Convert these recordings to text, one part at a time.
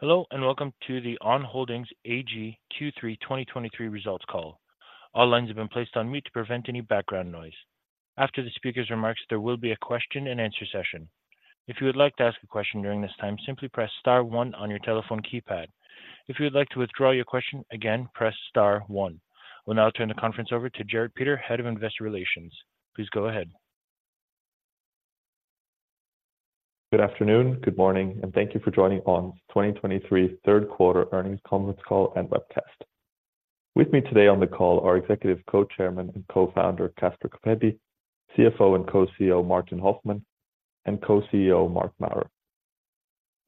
Hello, and welcome to the On Holding AG Q3 2023 results call. All lines have been placed on mute to prevent any background noise. After the speaker's remarks, there will be a question and answer session. If you would like to ask a question during this time, simply press star one on your telephone keypad. If you would like to withdraw your question again, press star one. We'll now turn the conference over to Jerrit Peter, Head of Investor Relations. Please go ahead. Good afternoon, good morning, and thank you for joining On's 2023 third quarter earnings conference call and webcast. With me today on the call are Executive Co-Chairman and Co-founder, Caspar Coppetti, CFO and Co-CEO, Martin Hoffmann, and Co-CEO, Marc Maurer.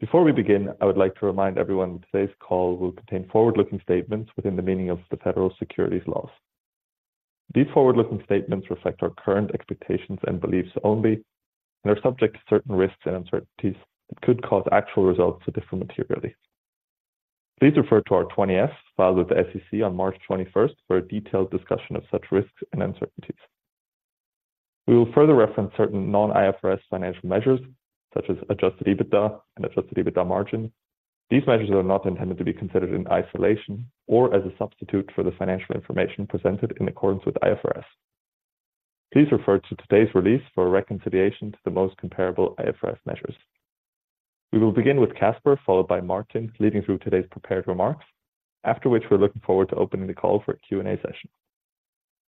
Before we begin, I would like to remind everyone that today's call will contain forward-looking statements within the meaning of the Federal Securities laws. These forward-looking statements reflect our current expectations and beliefs only, and are subject to certain risks and uncertainties that could cause actual results to differ materially. Please refer to our 20-F, filed with the SEC on March 21 for a detailed discussion of such risks and uncertainties. We will further reference certain non-IFRS financial measures, such as Adjusted EBITDA and Adjusted EBITDA margin. These measures are not intended to be considered in isolation or as a substitute for the financial information presented in accordance with IFRS. Please refer to today's release for a reconciliation to the most comparable IFRS measures. We will begin with Caspar, followed by Martin, leading through today's prepared remarks, after which we're looking forward to opening the call for a Q&A session.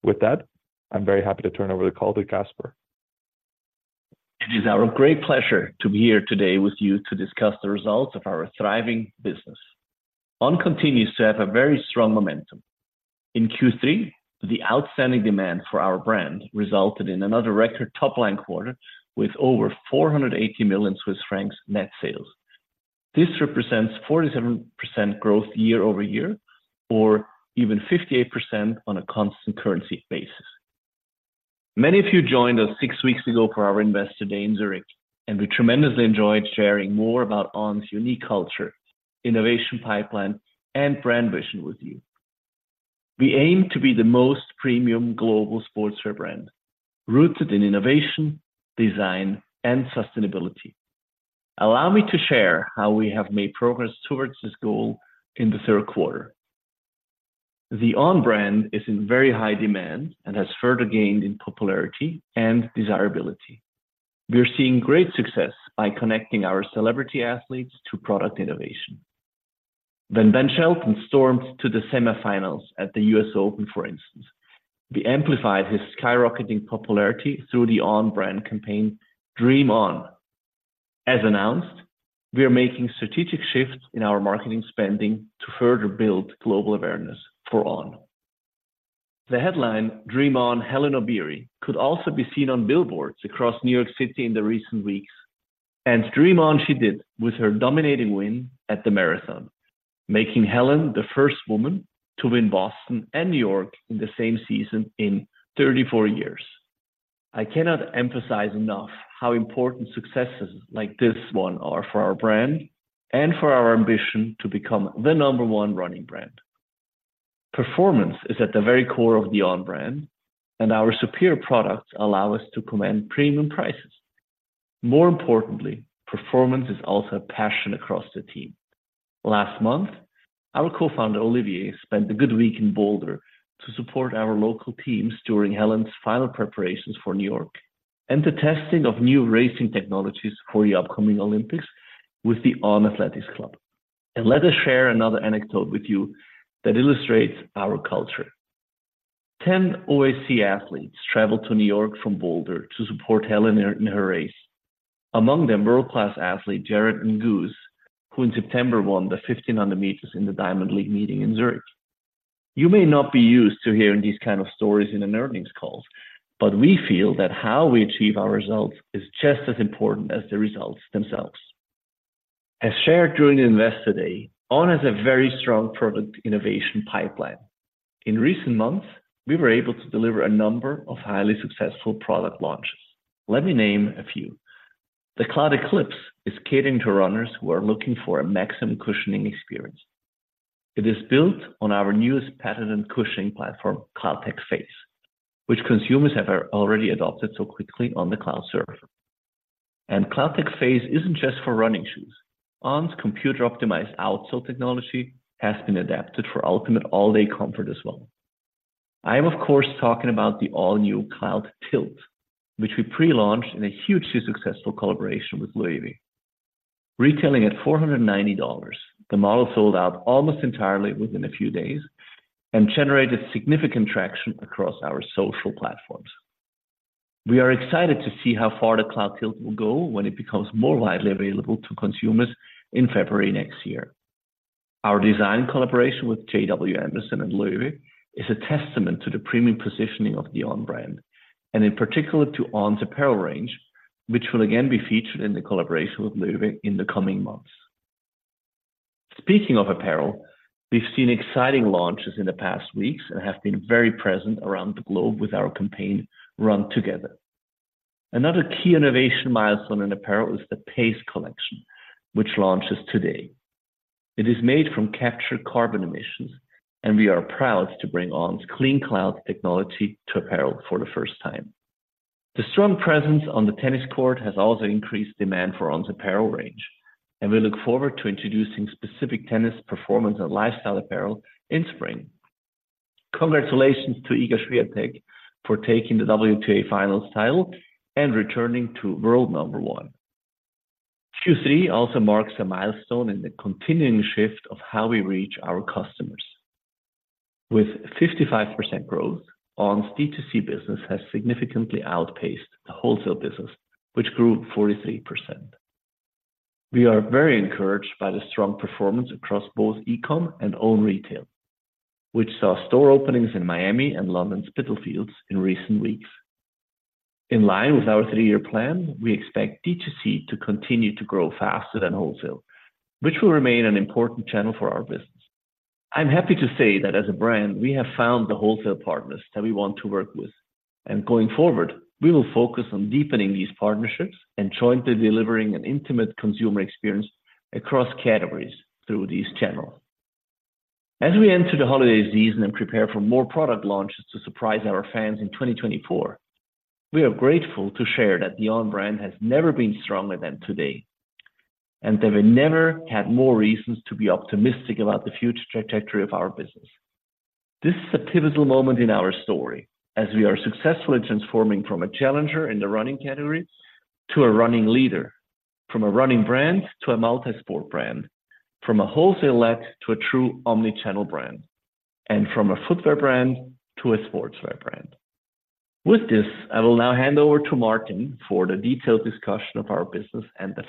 With that, I'm very happy to turn over the call to Caspar. It is our great pleasure to be here today with you to discuss the results of our thriving business. On continues to have a very strong momentum. In Q3, the outstanding demand for our brand resulted in another record top-line quarter with over 480 million Swiss francs net sales. This represents 47% growth year-over-year, or even 58% on a constant currency basis. Many of you joined us six weeks ago for our Investor Day in Zurich, and we tremendously enjoyed sharing more about On's unique culture, innovation pipeline, and brand vision with you. We aim to be the most premium global sportswear brand, rooted in innovation, design, and sustainability. Allow me to share how we have made progress towards this goal in the third quarter. The On brand is in very high demand and has further gained in popularity and desirability. We are seeing great success by connecting our celebrity athletes to product innovation. When Ben Shelton stormed to the semifinals at the US Open, for instance, we amplified his skyrocketing popularity through the On brand campaign, Dream On. As announced, we are making strategic shifts in our marketing spending to further build global awareness for On. The headline, "Dream On, Hellen Obiri," could also be seen on billboards across New York City in the recent weeks, and dream on she did with her dominating win at the marathon, making Hellen the first woman to win Boston and New York in the same season in 34 years. I cannot emphasize enough how important successes like this one are for our brand and for our ambition to become the number one running brand. Performance is at the very core of the On brand, and our superior products allow us to command premium prices. More importantly, performance is also a passion across the team. Last month, our co-founder, Olivier, spent a good week in Boulder to support our local teams during Hellen's final preparations for New York and the testing of new racing technologies for the upcoming Olympics with the On Athletics Club. Let us share another anecdote with you that illustrates our culture. 10 OAC athletes traveled to New York from Boulder to support Hellen in her race. Among them, world-class athlete, Yared Nuguse, who in September won the 1,500 meters in the Diamond League meeting in Zurich. You may not be used to hearing these kind of stories in an earnings call, but we feel that how we achieve our results is just as important as the results themselves. As shared during the Investor Day, On has a very strong product innovation pipeline. In recent months, we were able to deliver a number of highly successful product launches. Let me name a few. The Cloudeclipse is catering to runners who are looking for a maximum cushioning experience. It is built on our newest patented cushioning platform, CloudTec Phase, which consumers have already adopted so quickly on the Cloudsurfer. CloudTec Phase isn't just for running shoes. On's computer-optimized outsole technology has been adapted for ultimate all-day comfort as well. I am, of course, talking about the all-new Cloudtilt, which we pre-launched in a hugely successful collaboration with Loewe. Retailing at $490, the model sold out almost entirely within a few days and generated significant traction across our social platforms. We are excited to see how far the Cloudtilt will go when it becomes more widely available to consumers in February next year. Our design collaboration with J.W. Anderson and Loewe is a testament to the premium positioning of the On brand, and in particular to On's apparel range, which will again be featured in the collaboration with Loewe in the coming months. Speaking of apparel, we've seen exciting launches in the past weeks and have been very present around the globe with our campaign, Run Together. Another key innovation milestone in apparel is the Pace Collection, which launches today. It is made from captured carbon emissions, and we are proud to bring On's CleanCloud technology to apparel for the first time.... The strong presence on the tennis court has also increased demand for On's apparel range, and we look forward to introducing specific tennis performance and lifestyle apparel in spring. Congratulations to Iga Świątek for taking the WTA finals title and returning to world number one. Q3 also marks a milestone in the continuing shift of how we reach our customers. With 55% growth, On's D2C business has significantly outpaced the wholesale business, which grew 43%. We are very encouraged by the strong performance across both e-com and own retail, which saw store openings in Miami and London's Spitalfields in recent weeks. In line with our three-year plan, we expect D2C to continue to grow faster than wholesale, which will remain an important channel for our business. I'm happy to say that as a brand, we have found the wholesale partners that we want to work with, and going forward, we will focus on deepening these partnerships and jointly delivering an intimate consumer experience across categories through this channel. As we enter the holiday season and prepare for more product launches to surprise our fans in 2024, we are grateful to share that the On brand has never been stronger than today, and that we never had more reasons to be optimistic about the future trajectory of our business. This is a pivotal moment in our story as we are successfully transforming from a challenger in the running category to a running leader, from a running brand to a multi-sport brand, from a wholesale led to a true omni-channel brand, and from a footwear brand to a sportswear brand. With this, I will now hand over to Martin for the detailed discussion of our business and the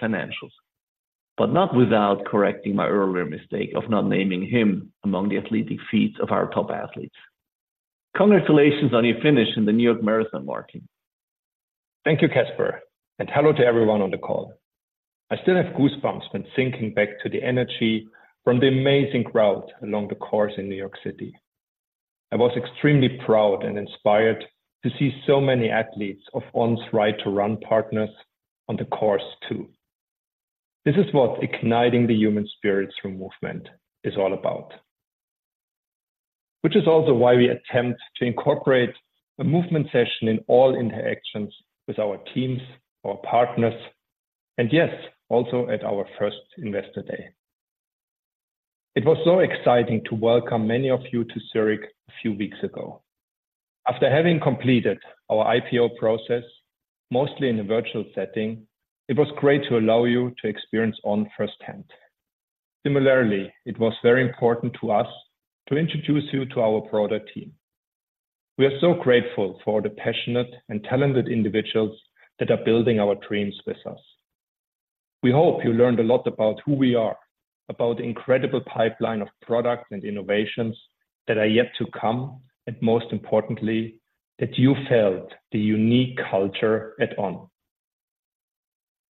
financials, but not without correcting my earlier mistake of not naming him among the athletic feats of our top athletes. Congratulations on your finish in the New York Marathon, Martin. Thank you, Caspar, and hello to everyone on the call. I still have goosebumps when thinking back to the energy from the amazing crowd along the course in New York City. I was extremely proud and inspired to see so many athletes of On's Right to Run partners on the course, too. This is what igniting the human spirits from movement is all about, which is also why we attempt to incorporate a movement session in all interactions with our teams, our partners, and yes, also at our first Investor Day. It was so exciting to welcome many of you to Zurich a few weeks ago. After having completed our IPO process, mostly in a virtual setting, it was great to allow you to experience On firsthand. Similarly, it was very important to us to introduce you to our product team. We are so grateful for the passionate and talented individuals that are building our dreams with us. We hope you learned a lot about who we are, about the incredible pipeline of products and innovations that are yet to come, and most importantly, that you felt the unique culture at On.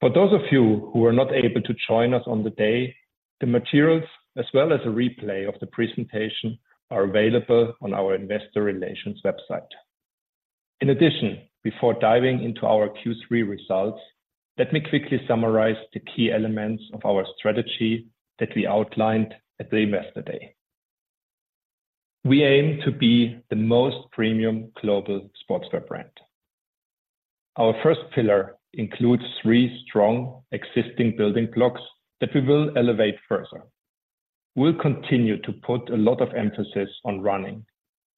For those of you who were not able to join us on the day, the materials, as well as a replay of the presentation, are available on our investor relations website. In addition, before diving into our Q3 results, let me quickly summarize the key elements of our strategy that we outlined at the Investor Day. We aim to be the most premium global sportswear brand. Our first pillar includes three strong existing building blocks that we will elevate further. We'll continue to put a lot of emphasis on running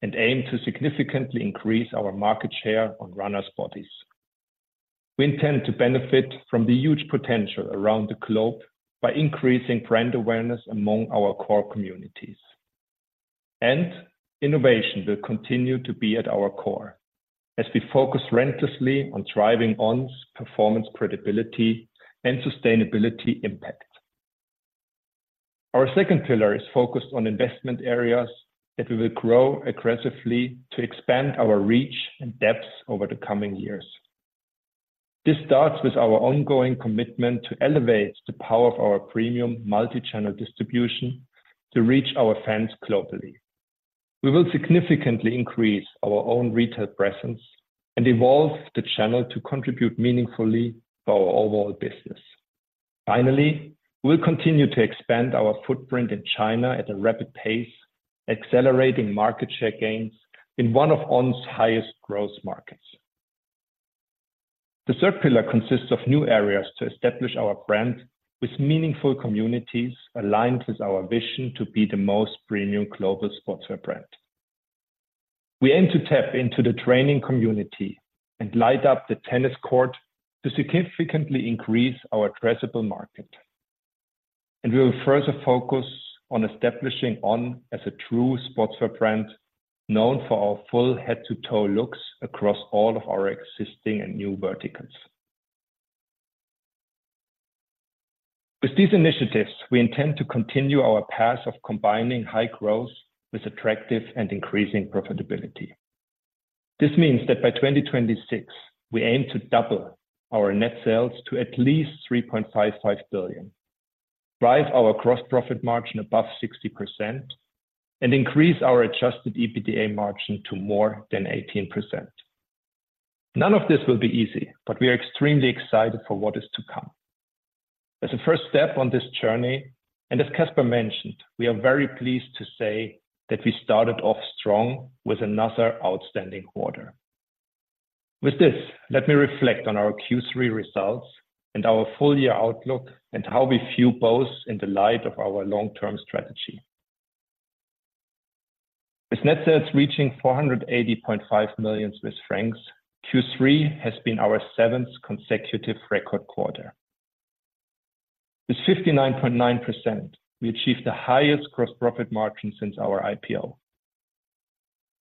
and aim to significantly increase our market share on runners' bodies. We intend to benefit from the huge potential around the globe by increasing brand awareness among our core communities. And innovation will continue to be at our core as we focus relentlessly on driving On's performance, credibility, and sustainability impact. Our second pillar is focused on investment areas that we will grow aggressively to expand our reach and depth over the coming years. This starts with our ongoing commitment to elevate the power of our premium multi-channel distribution to reach our fans globally. We will significantly increase our own retail presence and evolve the channel to contribute meaningfully to our overall business. Finally, we'll continue to expand our footprint in China at a rapid pace, accelerating market share gains in one of On's highest growth markets. The third pillar consists of new areas to establish our brand with meaningful communities aligned with our vision to be the most premium global sportswear brand. We aim to tap into the training community and light up the tennis court to significantly increase our addressable market. We will further focus on establishing On as a true sportswear brand, known for our full head-to-toe looks across all of our existing and new verticals. With these initiatives, we intend to continue our path of combining high growth with attractive and increasing profitability. This means that by 2026, we aim to double our net sales to at least 3.55 billion, drive our gross profit margin above 60%, and increase our adjusted EBITDA margin to more than 18%. None of this will be easy, but we are extremely excited for what is to come... As a first step on this journey, and as Caspar mentioned, we are very pleased to say that we started off strong with another outstanding quarter. With this, let me reflect on our Q3 results and our full year outlook, and how we view both in the light of our long-term strategy. With net sales reaching 480.5 million Swiss francs, Q3 has been our seventh consecutive record quarter. With 59.9%, we achieved the highest gross profit margin since our IPO.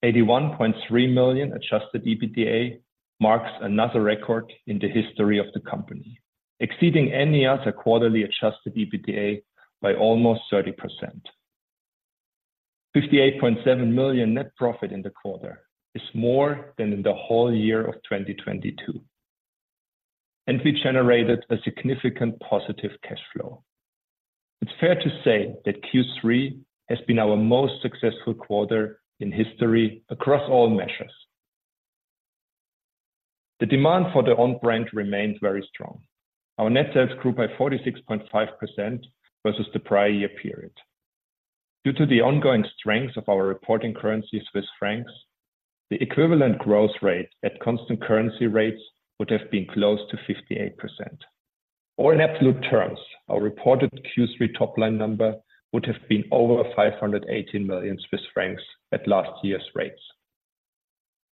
81.3 million adjusted EBITDA marks another record in the history of the company, exceeding any other quarterly adjusted EBITDA by almost 30%. 58.7 million net profit in the quarter is more than in the whole year of 2022, and we generated a significant positive cash flow. It's fair to say that Q3 has been our most successful quarter in history across all measures. The demand for the On brand remains very strong. Our net sales grew by 46.5% versus the prior year period. Due to the ongoing strength of our reporting currency, Swiss francs, the equivalent growth rate at constant currency rates would have been close to 58%. Or in absolute terms, our reported Q3 top-line number would have been over 518 million Swiss francs at last year's rates.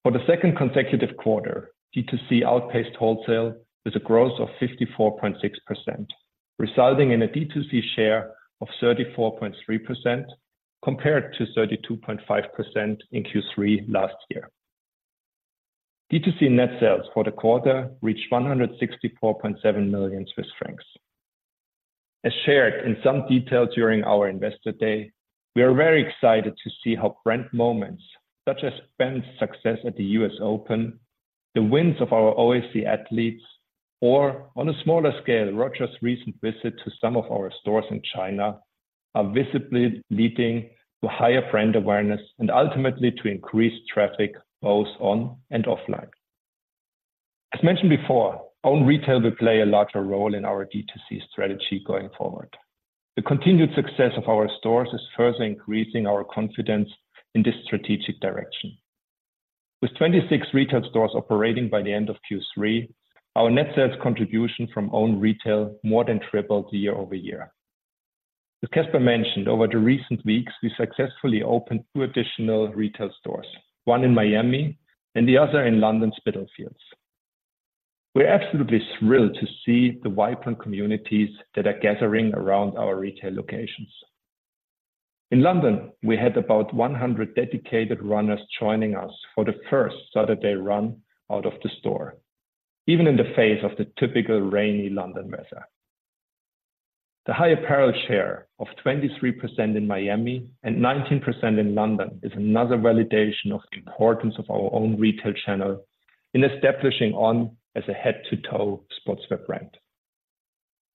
For the second consecutive quarter, D2C outpaced wholesale with a growth of 54.6%, resulting in a D2C share of 34.3%, compared to 32.5% in Q3 last year. D2C net sales for the quarter reached 164.7 million Swiss francs. As shared in some detail during our Investor Day, we are very excited to see how brand moments, such as Ben's success at the US Open, the wins of our OAC athletes, or on a smaller scale, Roger's recent visit to some of our stores in China, are visibly leading to higher brand awareness and ultimately to increased traffic, both on and offline. As mentioned before, own retail will play a larger role in our D2C strategy going forward. The continued success of our stores is further increasing our confidence in this strategic direction. With 26 retail stores operating by the end of Q3, our net sales contribution from own retail more than tripled year over year. As Caspar mentioned, over the recent weeks, we successfully opened two additional retail stores, one in Miami and the other in London, Spitalfields. We're absolutely thrilled to see the vibrant communities that are gathering around our retail locations. In London, we had about 100 dedicated runners joining us for the first Saturday run out of the store, even in the face of the typical rainy London weather. The high apparel share of 23% in Miami and 19% in London is another validation of the importance of our own retail channel in establishing On as a head-to-toe sportswear brand.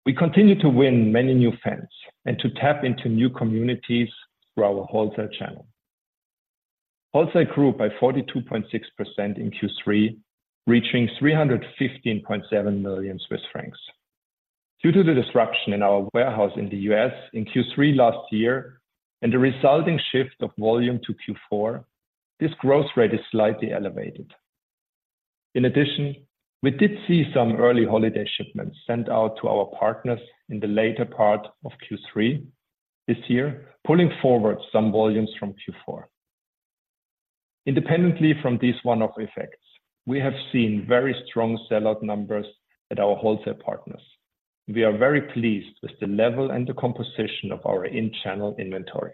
We continue to win many new fans and to tap into new communities through our wholesale channel. Wholesale grew by 42.6% in Q3, reaching 315.7 million Swiss francs. Due to the disruption in our warehouse in the US in Q3 last year, and the resulting shift of volume to Q4, this growth rate is slightly elevated. In addition, we did see some early holiday shipments sent out to our partners in the later part of Q3 this year, pulling forward some volumes from Q4. Independently from these one-off effects, we have seen very strong sell-out numbers at our wholesale partners. We are very pleased with the level and the composition of our in-channel inventory.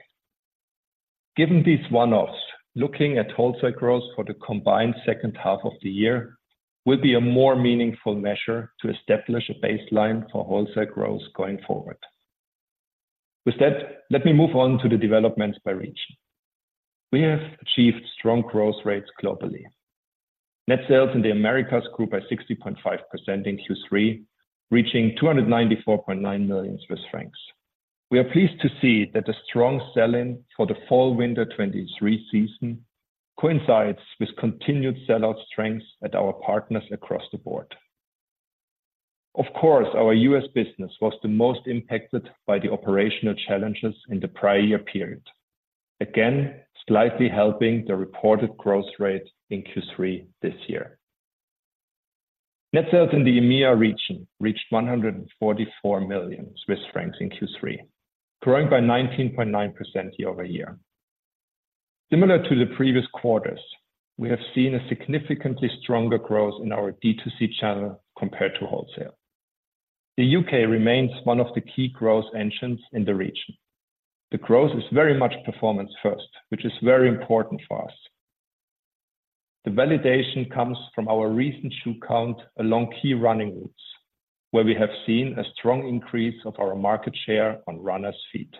Given these one-offs, looking at wholesale growth for the combined second half of the year will be a more meaningful measure to establish a baseline for wholesale growth going forward. With that, let me move on to the developments by region. We have achieved strong growth rates globally. Net sales in the Americas grew by 60.5% in Q3, reaching 294.9 million Swiss francs. We are pleased to see that the strong sell-in for the Fall/Winter 2023 season coincides with continued sell-out strengths at our partners across the board. Of course, our U.S. business was the most impacted by the operational challenges in the prior year period. Again, slightly helping the reported growth rate in Q3 this year. Net sales in the EMEA region reached 144 million Swiss francs in Q3, growing by 19.9% year-over-year. Similar to the previous quarters, we have seen a significantly stronger growth in our D2C channel compared to wholesale. The U.K. remains one of the key growth engines in the region. The growth is very much performance-first, which is very important for us. The validation comes from our recent shoe count along key running routes, where we have seen a strong increase of our market share on runners' feet.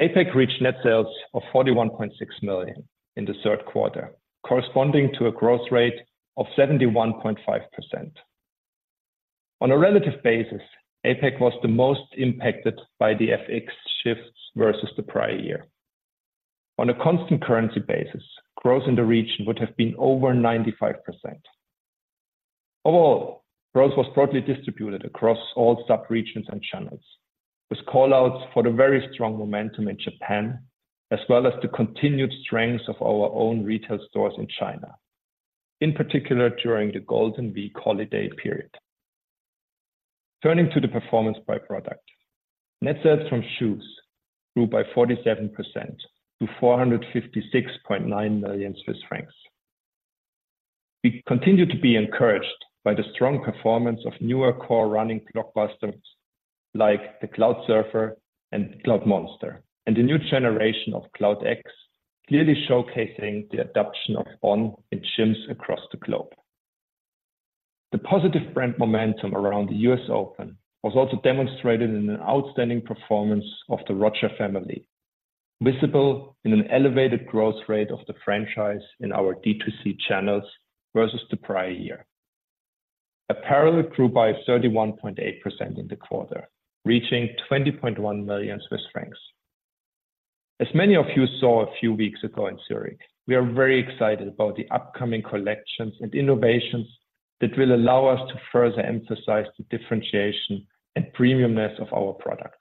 APAC reached net sales of 41.6 million in the third quarter, corresponding to a growth rate of 71.5%. On a relative basis, APAC was the most impacted by the FX shifts versus the prior year... On a constant currency basis, growth in the region would have been over 95%. Overall, growth was broadly distributed across all sub-regions and channels, with call-outs for the very strong momentum in Japan, as well as the continued strength of our own retail stores in China, in particular during the Golden Week holiday period. Turning to the performance by product. Net sales from shoes grew by 47% to 456.9 million Swiss francs. We continue to be encouraged by the strong performance of newer core running blockbusters, like the Cloudsurfer and Cloudmonster, and the new generation of CloudX, clearly showcasing the adoption of On in gyms across the globe. The positive brand momentum around the U.S. Open was also demonstrated in an outstanding performance of the Roger family, visible in an elevated growth rate of the franchise in our D2C channels versus the prior year. Apparel grew by 31.8% in the quarter, reaching 20.1 million Swiss francs. As many of you saw a few weeks ago in Zurich, we are very excited about the upcoming collections and innovations that will allow us to further emphasize the differentiation and premiumness of our products.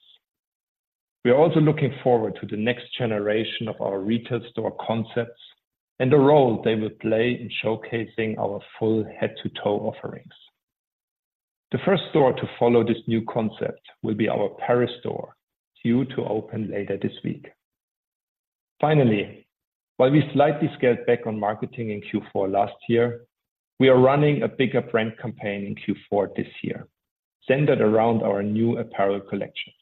We are also looking forward to the next generation of our retail store concepts and the role they will play in showcasing our full head-to-toe offerings. The first store to follow this new concept will be our Paris store, due to open later this week. Finally, while we slightly scaled back on marketing in Q4 last year, we are running a bigger brand campaign in Q4 this year, centered around our new apparel collection.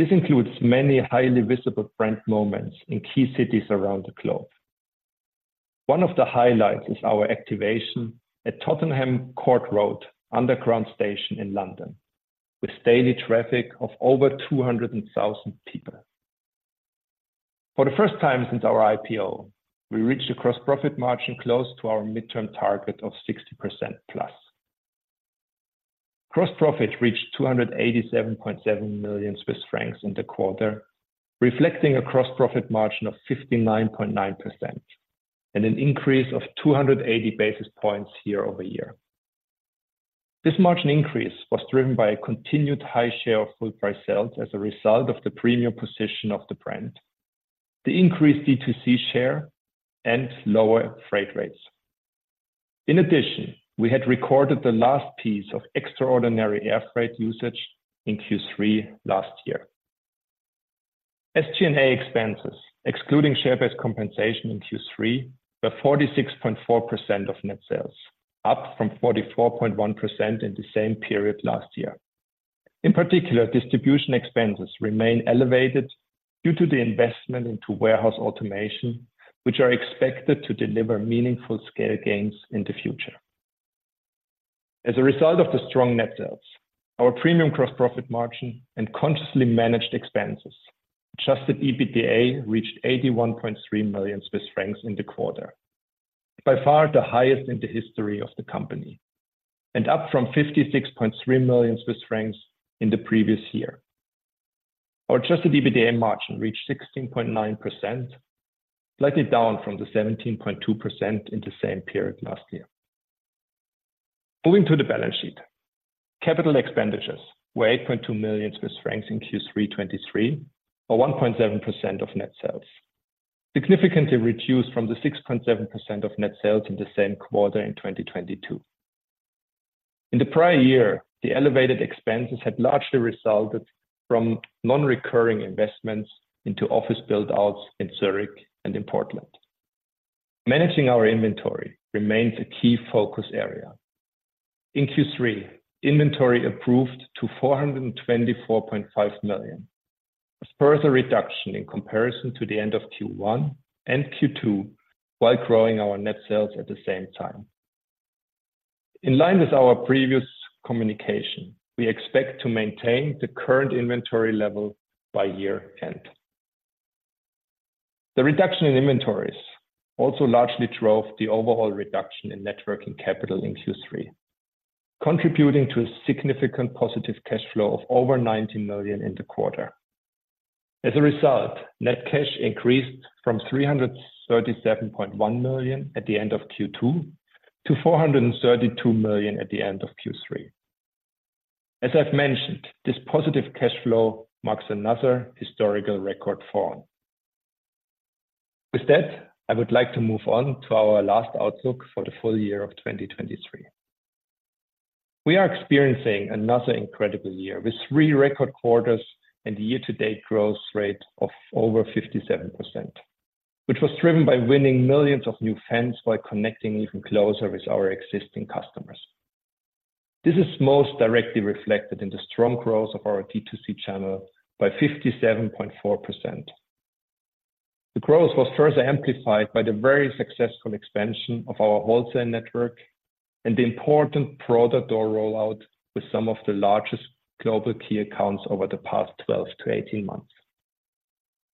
This includes many highly visible brand moments in key cities around the globe. One of the highlights is our activation at Tottenham Court Road underground station in London, with daily traffic of over 200,000 people. For the first time since our IPO, we reached a gross profit margin close to our midterm target of 60%+. Gross profit reached 287.7 million Swiss francs in the quarter, reflecting a gross profit margin of 59.9% and an increase of 280 basis points year-over-year. This margin increase was driven by a continued high share of full price sales as a result of the premium position of the brand, the increased D2C share, and lower freight rates. In addition, we had recorded the last piece of extraordinary air freight usage in Q3 last year. SG&A expenses, excluding share-based compensation in Q3, were 46.4% of net sales, up from 44.1% in the same period last year. In particular, distribution expenses remain elevated due to the investment into warehouse automation, which are expected to deliver meaningful scale gains in the future. As a result of the strong net sales, our premium gross profit margin and consciously managed expenses, adjusted EBITDA reached 81.3 million Swiss francs in the quarter, by far the highest in the history of the company, and up from 56.3 million Swiss francs in the previous year. Our adjusted EBITDA margin reached 16.9%, slightly down from the 17.2% in the same period last year. Moving to the balance sheet. Capital expenditures were 8.2 million Swiss francs in Q3 2023, or 1.7% of net sales, significantly reduced from the 6.7% of net sales in the same quarter in 2022. In the prior year, the elevated expenses had largely resulted from non-recurring investments into office build-outs in Zurich and in Portland. Managing our inventory remains a key focus area. In Q3, inventory improved to 424.5 million, a further reduction in comparison to the end of Q1 and Q2, while growing our net sales at the same time. In line with our previous communication, we expect to maintain the current inventory level by year end. The reduction in inventories also largely drove the overall reduction in net working capital in Q3, contributing to a significant positive cash flow of over 19 million in the quarter. As a result, net cash increased from 337.1 million at the end of Q2 to 432 million at the end of Q3. As I've mentioned, this positive cash flow marks another historical record form. With that, I would like to move on to our last outlook for the full year of 2023. We are experiencing another incredible year with three record quarters and a year-to-date growth rate of over 57%, which was driven by winning millions of new fans by connecting even closer with our existing customers. This is most directly reflected in the strong growth of our D2C channel by 57.4%. The growth was further amplified by the very successful expansion of our wholesale network and the important product door rollout with some of the largest global key accounts over the past 12-18 months.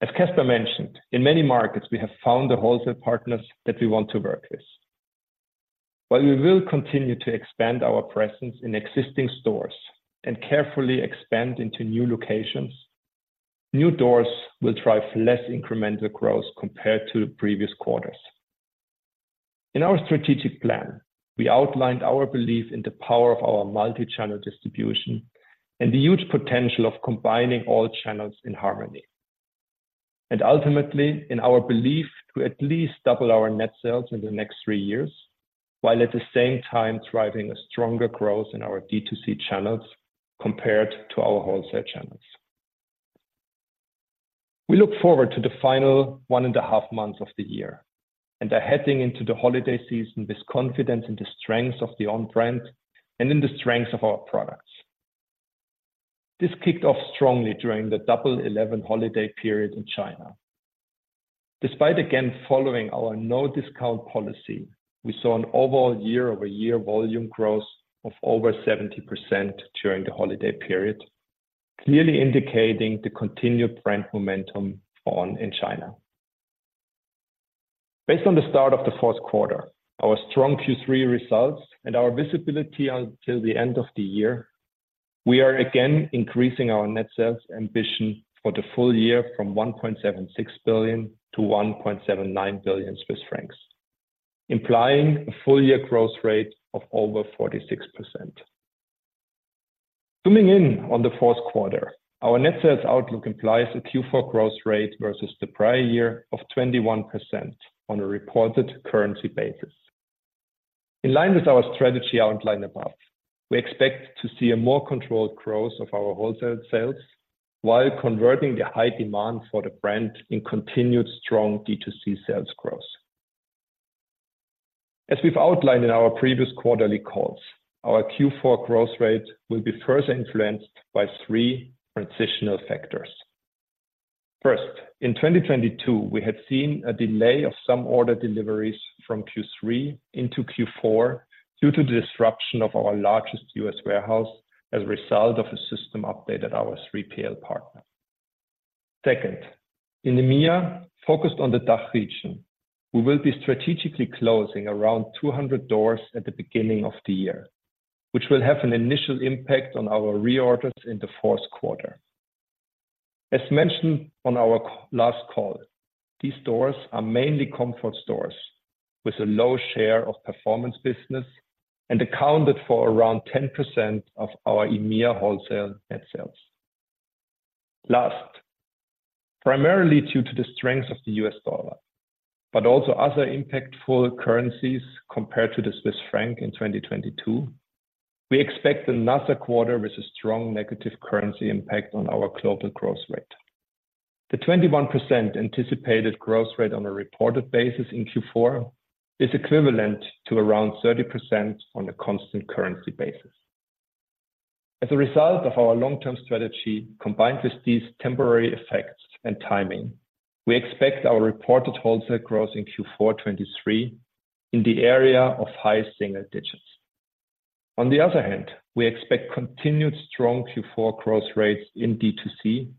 As Caspar mentioned, in many markets, we have found the wholesale partners that we want to work with. While we will continue to expand our presence in existing stores and carefully expand into new locations, new doors will drive less incremental growth compared to previous quarters. In our strategic plan, we outlined our belief in the power of our multi-channel distribution and the huge potential of combining all channels in harmony, and ultimately, in our belief, to at least double our net sales in the next three years, while at the same time driving a stronger growth in our D2C channels compared to our wholesale channels. We look forward to the final one and a half months of the year, and are heading into the holiday season with confidence in the strength of the On brand and in the strength of our products. This kicked off strongly during the Double Eleven holiday period in China. Despite again following our no discount policy, we saw an overall year-over-year volume growth of over 70% during the holiday period, clearly indicating the continued brand momentum On in China. Based on the start of the fourth quarter, our strong Q3 results and our visibility until the end of the year, we are again increasing our net sales ambition for the full year from 1.76 billion to 1.79 billion Swiss francs, implying a full year growth rate of over 46%. Zooming in on the fourth quarter, our net sales outlook implies a Q4 growth rate versus the prior year of 21% on a reported currency basis. In line with our strategy outlined above, we expect to see a more controlled growth of our wholesale sales while converting the high demand for the brand in continued strong D2C sales growth. As we've outlined in our previous quarterly calls, our Q4 growth rate will be further influenced by three transitional factors. First, in 2022, we had seen a delay of some order deliveries from Q3 into Q4 due to the disruption of our largest U.S. warehouse as a result of a system update at our 3PL partner. Second, in the EMEA, focused on the DACH region, we will be strategically closing around 200 doors at the beginning of the year, which will have an initial impact on our reorders in the fourth quarter. As mentioned on our last call, these stores are mainly comfort stores with a low share of performance business and accounted for around 10% of our EMEA wholesale net sales. Lastly, primarily due to the strength of the U.S. dollar, but also other impactful currencies compared to the Swiss franc in 2022, we expect another quarter with a strong negative currency impact on our global growth rate. The 21% anticipated growth rate on a reported basis in Q4 is equivalent to around 30% on a constant currency basis. As a result of our long-term strategy, combined with these temporary effects and timing, we expect our reported wholesale growth in Q4 2023 in the area of high single digits. On the other hand, we expect continued strong Q4 growth rates in D2C,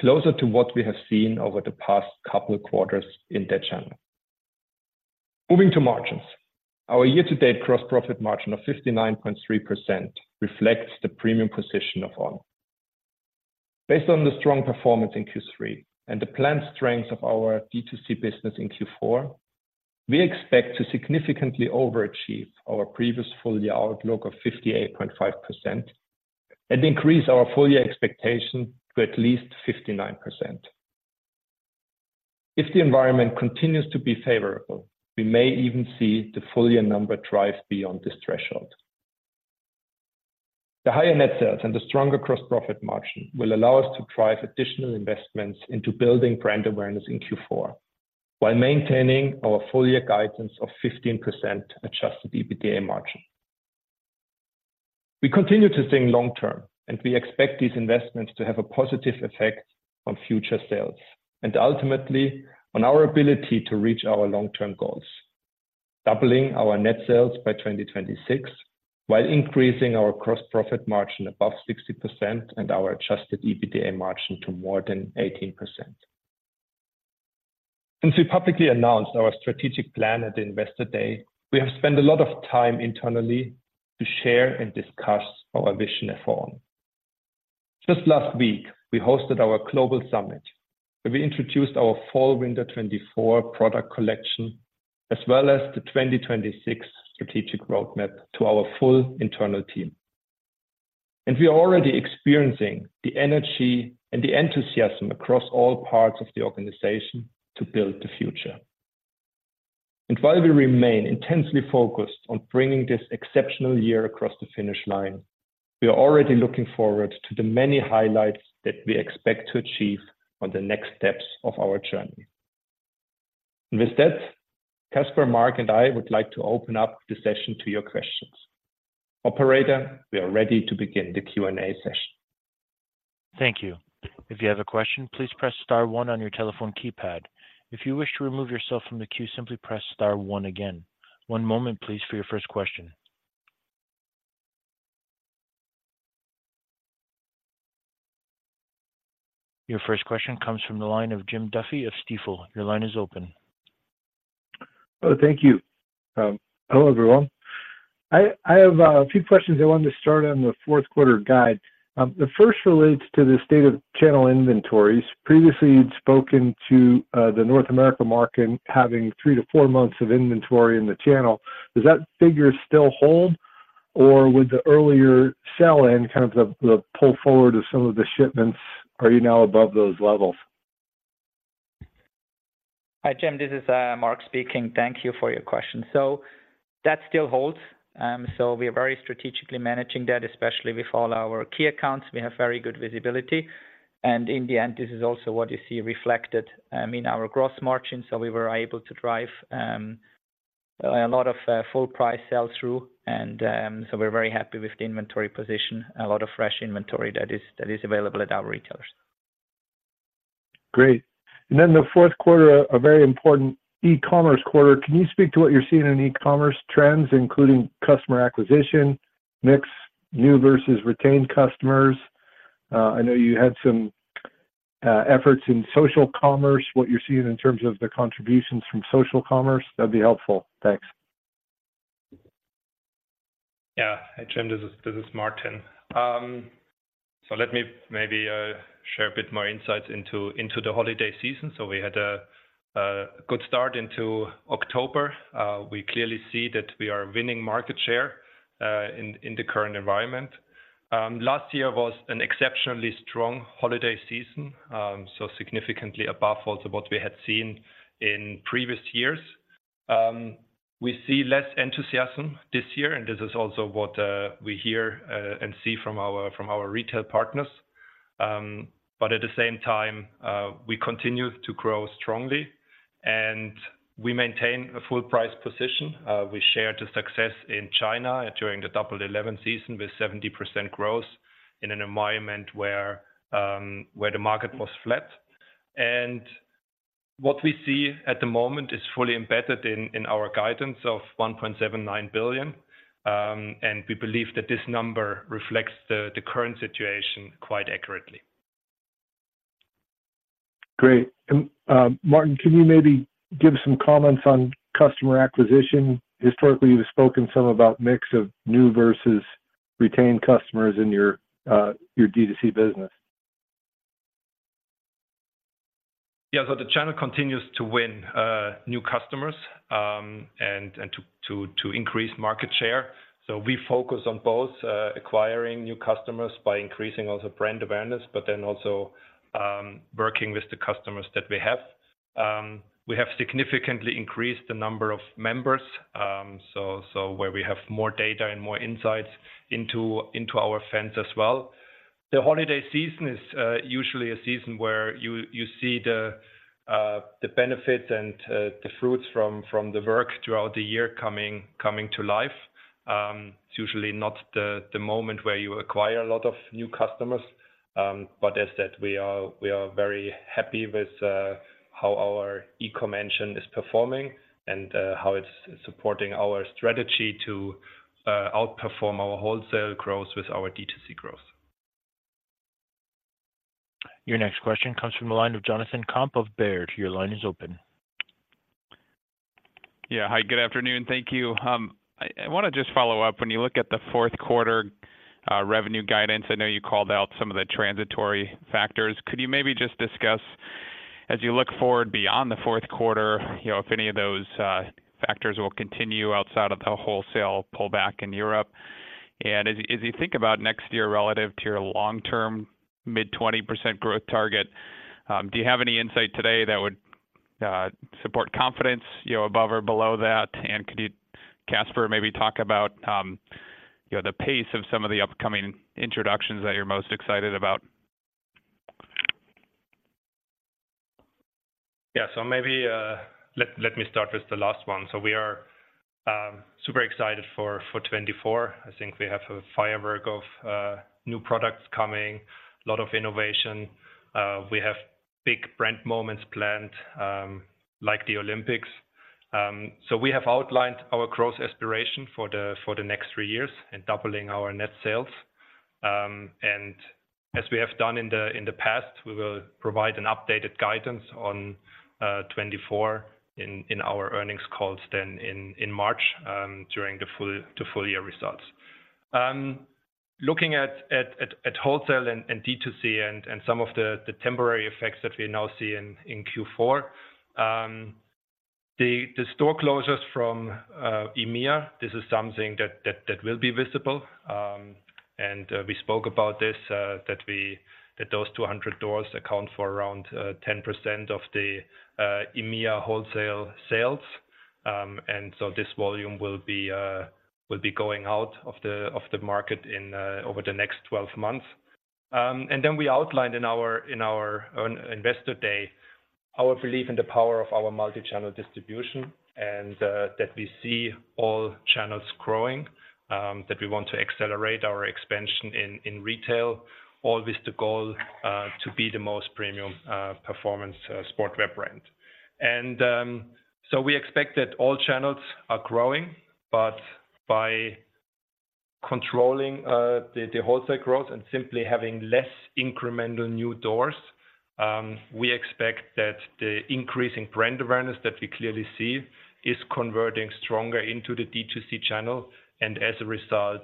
closer to what we have seen over the past couple quarters in that channel. Moving to margins. Our year-to-date gross profit margin of 59.3% reflects the premium position of On. Based on the strong performance in Q3 and the planned strength of our D2C business in Q4, we expect to significantly overachieve our previous full year outlook of 58.5% and increase our full year expectation to at least 59%. If the environment continues to be favorable, we may even see the full year number drive beyond this threshold. The higher net sales and the stronger gross profit margin will allow us to drive additional investments into building brand awareness in Q4, while maintaining our full year guidance of 15% adjusted EBITDA margin. We continue to think long term, and we expect these investments to have a positive effect on future sales and ultimately on our ability to reach our long-term goals, doubling our net sales by 2026, while increasing our gross profit margin above 60% and our adjusted EBITDA margin to more than 18%. Since we publicly announced our strategic plan at the Investor Day, we have spent a lot of time internally to share and discuss our vision at On. Just last week, we hosted our global summit, where we introduced our Fall/Winter 2024 product collection, as well as the 2026 strategic roadmap to our full internal team. We are already experiencing the energy and the enthusiasm across all parts of the organization to build the future. And while we remain intensely focused on bringing this exceptional year across the finish line, we are already looking forward to the many highlights that we expect to achieve on the next steps of our journey. With that, Caspar, Marc, and I would like to open up the session to your questions. Operator, we are ready to begin the Q&A session. Thank you. If you have a question, please press star one on your telephone keypad. If you wish to remove yourself from the queue, simply press star one again. One moment, please, for your first question.... Your first question comes from the line of Jim Duffy of Stifel. Your line is open. Hello, thank you. Hello, everyone. I have a few questions. I wanted to start on the fourth quarter guide. The first relates to the state of channel inventories. Previously, you'd spoken to, the North America market having three to four months of inventory in the channel. Does that figure still hold? Or with the earlier sell-in, kind of, the pull forward of some of the shipments, are you now above those levels? Hi, Jim, this is Marc speaking. Thank you for your question. That still holds. We are very strategically managing that, especially with all our key accounts. We have very good visibility, and in the end, this is also what you see reflected in our gross margin. We were able to drive a lot of full price sell-through, and we're very happy with the inventory position. A lot of fresh inventory that is available at our retailers. Great. Then the fourth quarter, a very important e-commerce quarter. Can you speak to what you're seeing in e-commerce trends, including customer acquisition, mix, new versus retained customers? I know you had some efforts in social commerce. What you're seeing in terms of the contributions from social commerce, that'd be helpful. Thanks. Yeah. Hi, Jim, this is-- this is Martin. So let me maybe share a bit more insights into the holiday season. So we had a good start into October. We clearly see that we are winning market share in the current environment. Last year was an exceptionally strong holiday season, so significantly above also what we had seen in previous years. We see less enthusiasm this year, and this is also what we hear and see from our-- from our retail partners. But at the same time, we continue to grow strongly, and we maintain a full price position. We shared the success in China during the Double Eleven season, with 70% growth in an environment where the market was flat. What we see at the moment is fully embedded in our guidance of 1.79 billion, and we believe that this number reflects the current situation quite accurately. Great. And, Martin, can you maybe give some comments on customer acquisition? Historically, you've spoken some about mix of new versus retained customers in your D2C business. Yeah. So the channel continues to win new customers, and to increase market share. So we focus on both, acquiring new customers by increasing also brand awareness, but then also working with the customers that we have. We have significantly increased the number of members, so where we have more data and more insights into our fans as well. The holiday season is usually a season where you see the benefits and the fruits from the work throughout the year coming to life. It's usually not the moment where you acquire a lot of new customers, but as said, we are—we are very happy with how our e-commerce is performing and how it's supporting our strategy to outperform our wholesale growth with our D2C growth. Your next question comes from the line of Jonathan Komp of Baird. Your line is open. Yeah. Hi, good afternoon. Thank you. I wanna just follow up. When you look at the fourth quarter revenue guidance, I know you called out some of the transitory factors. Could you maybe just discuss, as you look forward beyond the fourth quarter, you know, if any of those factors will continue outside of the wholesale pullback in Europe? And as you think about next year relative to your long-term, mid-20% growth target, do you have any insight today that would support confidence, you know, above or below that? And could you, Caspar, maybe talk about, you know, the pace of some of the upcoming introductions that you're most excited about? Yeah. So maybe let me start with the last one. So we are super excited for 2024. I think we have a firework of new products coming, a lot of innovation. We have big brand moments planned, like the Olympics. So we have outlined our growth aspiration for the next three years in doubling our net sales. And as we have done in the past, we will provide an updated guidance on 2024 in our earnings calls in March, during the full year results. Looking at wholesale and D2C and some of the temporary effects that we now see in Q4, the store closures from EMEA, this is something that will be visible. And we spoke about this, that those 200 stores account for around 10% of the EMEA wholesale sales. So this volume will be going out of the market over the next 12 months. Then we outlined in our own Investor Day our belief in the power of our multi-channel distribution, and that we see all channels growing, that we want to accelerate our expansion in retail, always the goal to be the most premium performance sportswear brand. So we expect that all channels are growing, but by controlling the wholesale growth and simply having less incremental new doors. We expect that the increasing brand awareness that we clearly see is converting stronger into the D2C channel. As a result,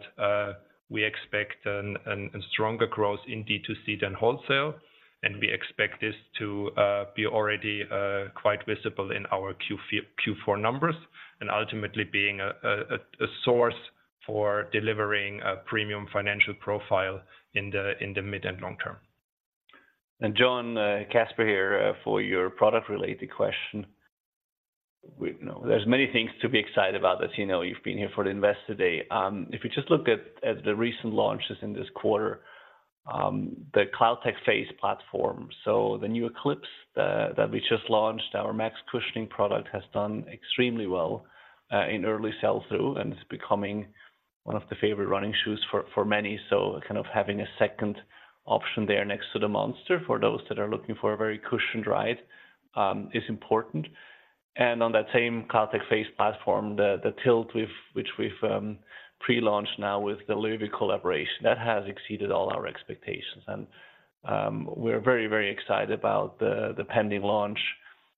we expect a stronger growth in D2C than wholesale, and we expect this to be already quite visible in our Q4 numbers, and ultimately being a source for delivering a premium financial profile in the mid and long term. Jon, Caspar here, for your product-related question. There's many things to be excited about, as you know, you've been here for the Investor Day. If you just look at the recent launches in this quarter, the CloudTec Phase platform. So the new Cloudeclipse that we just launched, our max cushioning product, has done extremely well in early sell-through, and it's becoming one of the favorite running shoes for many. So kind of having a second option there next to the Cloudmonster for those that are looking for a very cushioned ride is important. And on that same CloudTec Phase platform, the Cloudtilt, which we've pre-launched now with the Loewe collaboration, that has exceeded all our expectations. We're very, very excited about the pending launch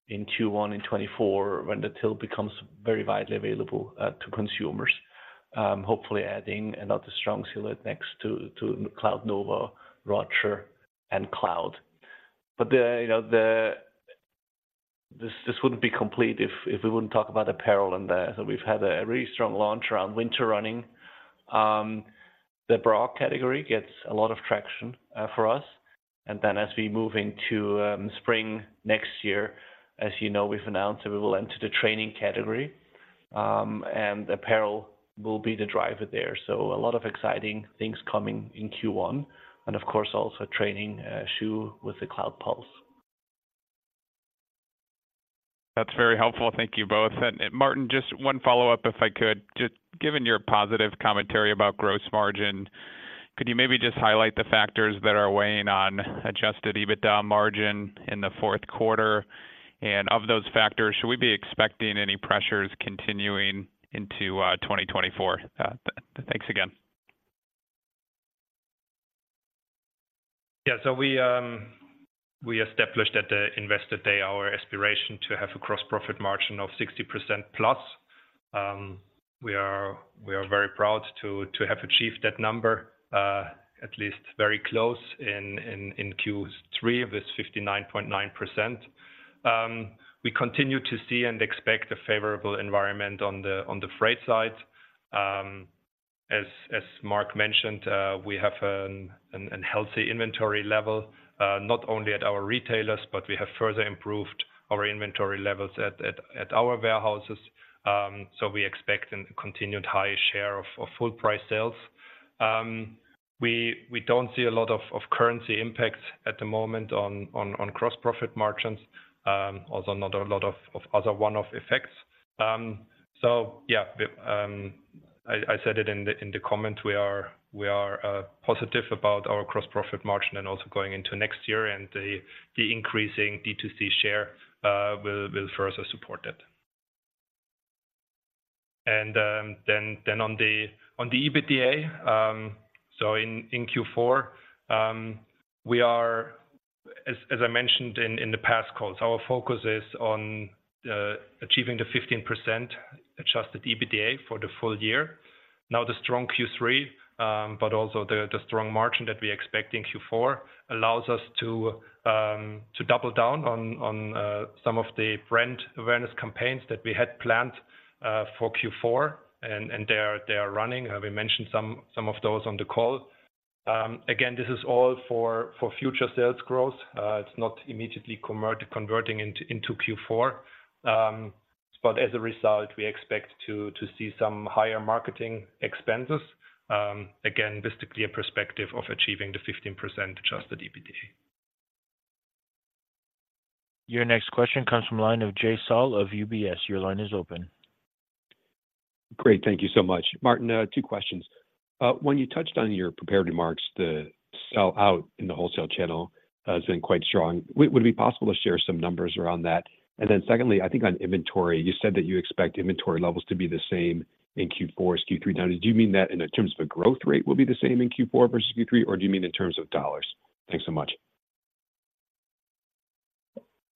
in Q1 2024, when the Cloudtilt becomes very widely available to consumers. Hopefully adding another strong silhouette next to Cloudnova, Roger and Cloud. But you know, this wouldn't be complete if we wouldn't talk about apparel in there. So we've had a really strong launch around winter running. The bra category gets a lot of traction for us. And then as we move into spring next year, as you know, we've announced that we will enter the training category, and apparel will be the driver there. So a lot of exciting things coming in Q1, and of course, also training shoe with the Cloudpulse. That's very helpful. Thank you both. And Martin, just one follow-up, if I could. Just given your positive commentary about gross margin, could you maybe just highlight the factors that are weighing on adjusted EBITDA margin in the fourth quarter? And of those factors, should we be expecting any pressures continuing into 2024? Thanks again. Yeah, so we established at the Investor Day our aspiration to have a gross profit margin of 60%+. We are very proud to have achieved that number, at least very close in Q3 with 59.9%. We continue to see and expect a favorable environment on the freight side. As Marc mentioned, we have a healthy inventory level, not only at our retailers, but we have further improved our inventory levels at our warehouses. So we expect a continued high share of full price sales. We don't see a lot of currency impacts at the moment on gross profit margins, also not a lot of other one-off effects. So yeah, I said it in the comment, we are positive about our gross profit margin and also going into next year, and the increasing D2C share will further support it. And then on the EBITDA, so in Q4, we are, as I mentioned in the past calls, our focus is on achieving the 15% adjusted EBITDA for the full year. Now, the strong Q3, but also the strong margin that we expect in Q4, allows us to double down on some of the brand awareness campaigns that we had planned for Q4, and they are running. We mentioned some of those on the call. Again, this is all for future sales growth. It's not immediately converting into Q4. As a result, we expect to see some higher marketing expenses, again, basically a perspective of achieving the 15% adjusted EBITDA. Your next question comes from line of Jay Sole of UBS. Your line is open. Great. Thank you so much. Martin, two questions. When you touched on your prepared remarks, the sell-out in the wholesale channel has been quite strong. Would, would it be possible to share some numbers around that? And then secondly, I think on inventory, you said that you expect inventory levels to be the same in Q4 as Q3. Now, do you mean that in terms of a growth rate will be the same in Q4 versus Q3, or do you mean in terms of dollars? Thanks so much.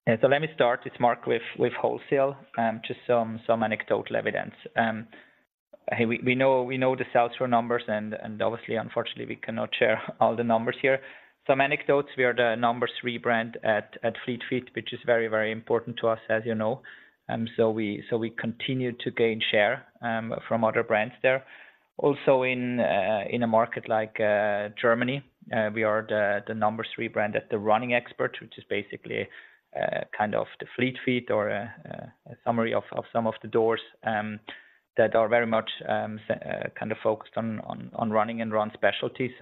Yeah. So let me start, it's Marc, with wholesale, just some anecdotal evidence. We know the sell-through numbers, and obviously, unfortunately, we cannot share all the numbers here. Some anecdotes, we are the number three brand at Fleet Feet, which is very important to us, as you know. So we continue to gain share from other brands there. Also, in a market like Germany, we are the number three brand at The Running Expert, which is basically kind of the Fleet Feet or a summary of some of the doors that are very much kind of focused on running and run specialty.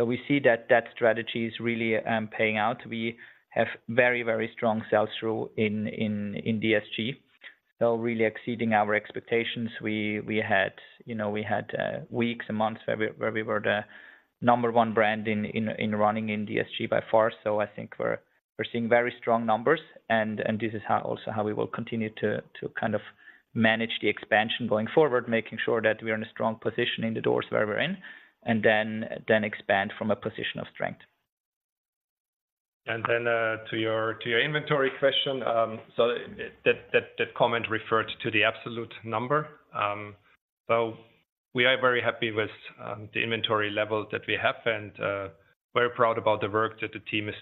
So we see that that strategy is really paying out. We have very, very strong sell-through in DSG, still really exceeding our expectations. We had, you know, weeks and months where we were the number one brand in running in DSG by far. So I think we're seeing very strong numbers, and this is how—also how we will continue to kind of manage the expansion going forward, making sure that we are in a strong position in the doors where we're in, and then expand from a position of strength. And then, to your inventory question, so that comment referred to the absolute number. So we are very happy with the inventory level that we have, and very proud about the work that the team is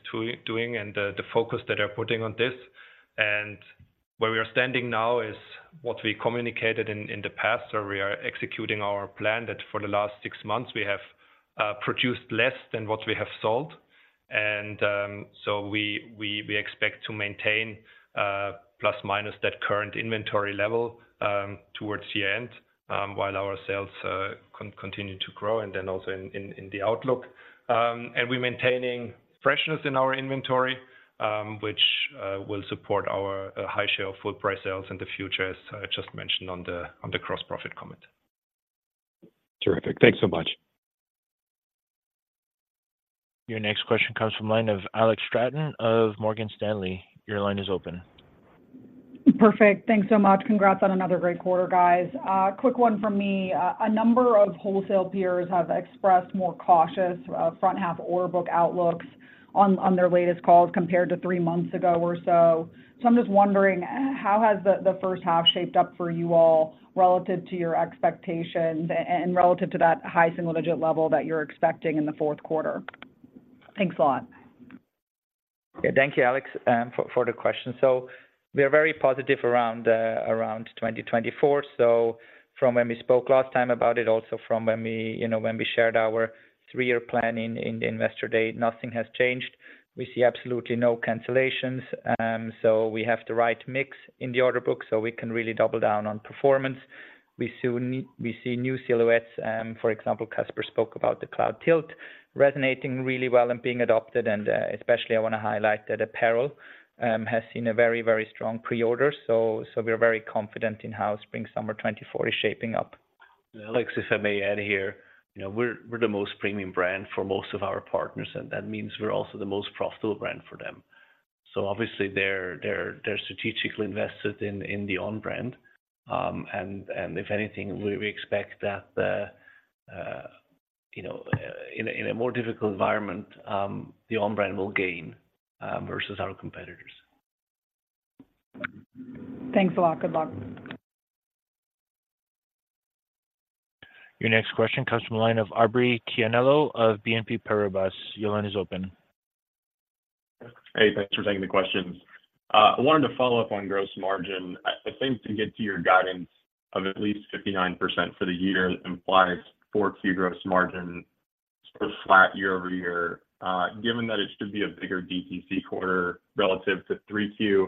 doing, and the focus that they're putting on this. And where we are standing now is what we communicated in the past, where we are executing our plan, that for the last six months we have produced less than what we have sold. And so we expect to maintain, plus minus that current inventory level, towards the end, while our sales continue to grow and then also in the outlook. We're maintaining freshness in our inventory, which will support our high share of full price sales in the future, as I just mentioned on the gross profit comment. Terrific. Thanks so much. Your next question comes from the line of Alex Straton of Morgan Stanley. Your line is open. Perfect. Thanks so much. Congrats on another great quarter, guys. Quick one from me. A number of wholesale peers have expressed more cautious, front half order book outlooks on, on their latest call compared to three months ago or so. So I'm just wondering, how has the first half shaped up for you all, relative to your expectations and relative to that high single digit level that you're expecting in the fourth quarter? Thanks a lot. Yeah. Thank you, Alex, for the question. So we are very positive around 2024. So from when we spoke last time about it, also from when we, you know, when we shared our three-year plan in the Investor Day, nothing has changed. We see absolutely no cancellations. So we have the right mix in the order book, so we can really double down on performance. We soon see new silhouettes. For example, Caspar spoke about the Cloudtilt resonating really well and being adopted. And especially I wanna highlight that apparel has seen a very, very strong pre-order, so we're very confident in how Spring/Summer 2024 is shaping up. Alex, if I may add here, you know, we're the most premium brand for most of our partners, and that means we're also the most profitable brand for them. So obviously, they're strategically invested in the On brand. And if anything, we expect that the, you know, in a more difficult environment, the On brand will gain versus our competitors. Thanks a lot. Good luck. Your next question comes from the line of Aubrey Tianello of BNP Paribas. Your line is open. Hey, thanks for taking the questions. I wanted to follow up on gross margin. I think to get to your guidance of at least 59% for the year implies Q4 gross margin sort of flat year-over-year. Given that it should be a bigger DTC quarter relative to Q3,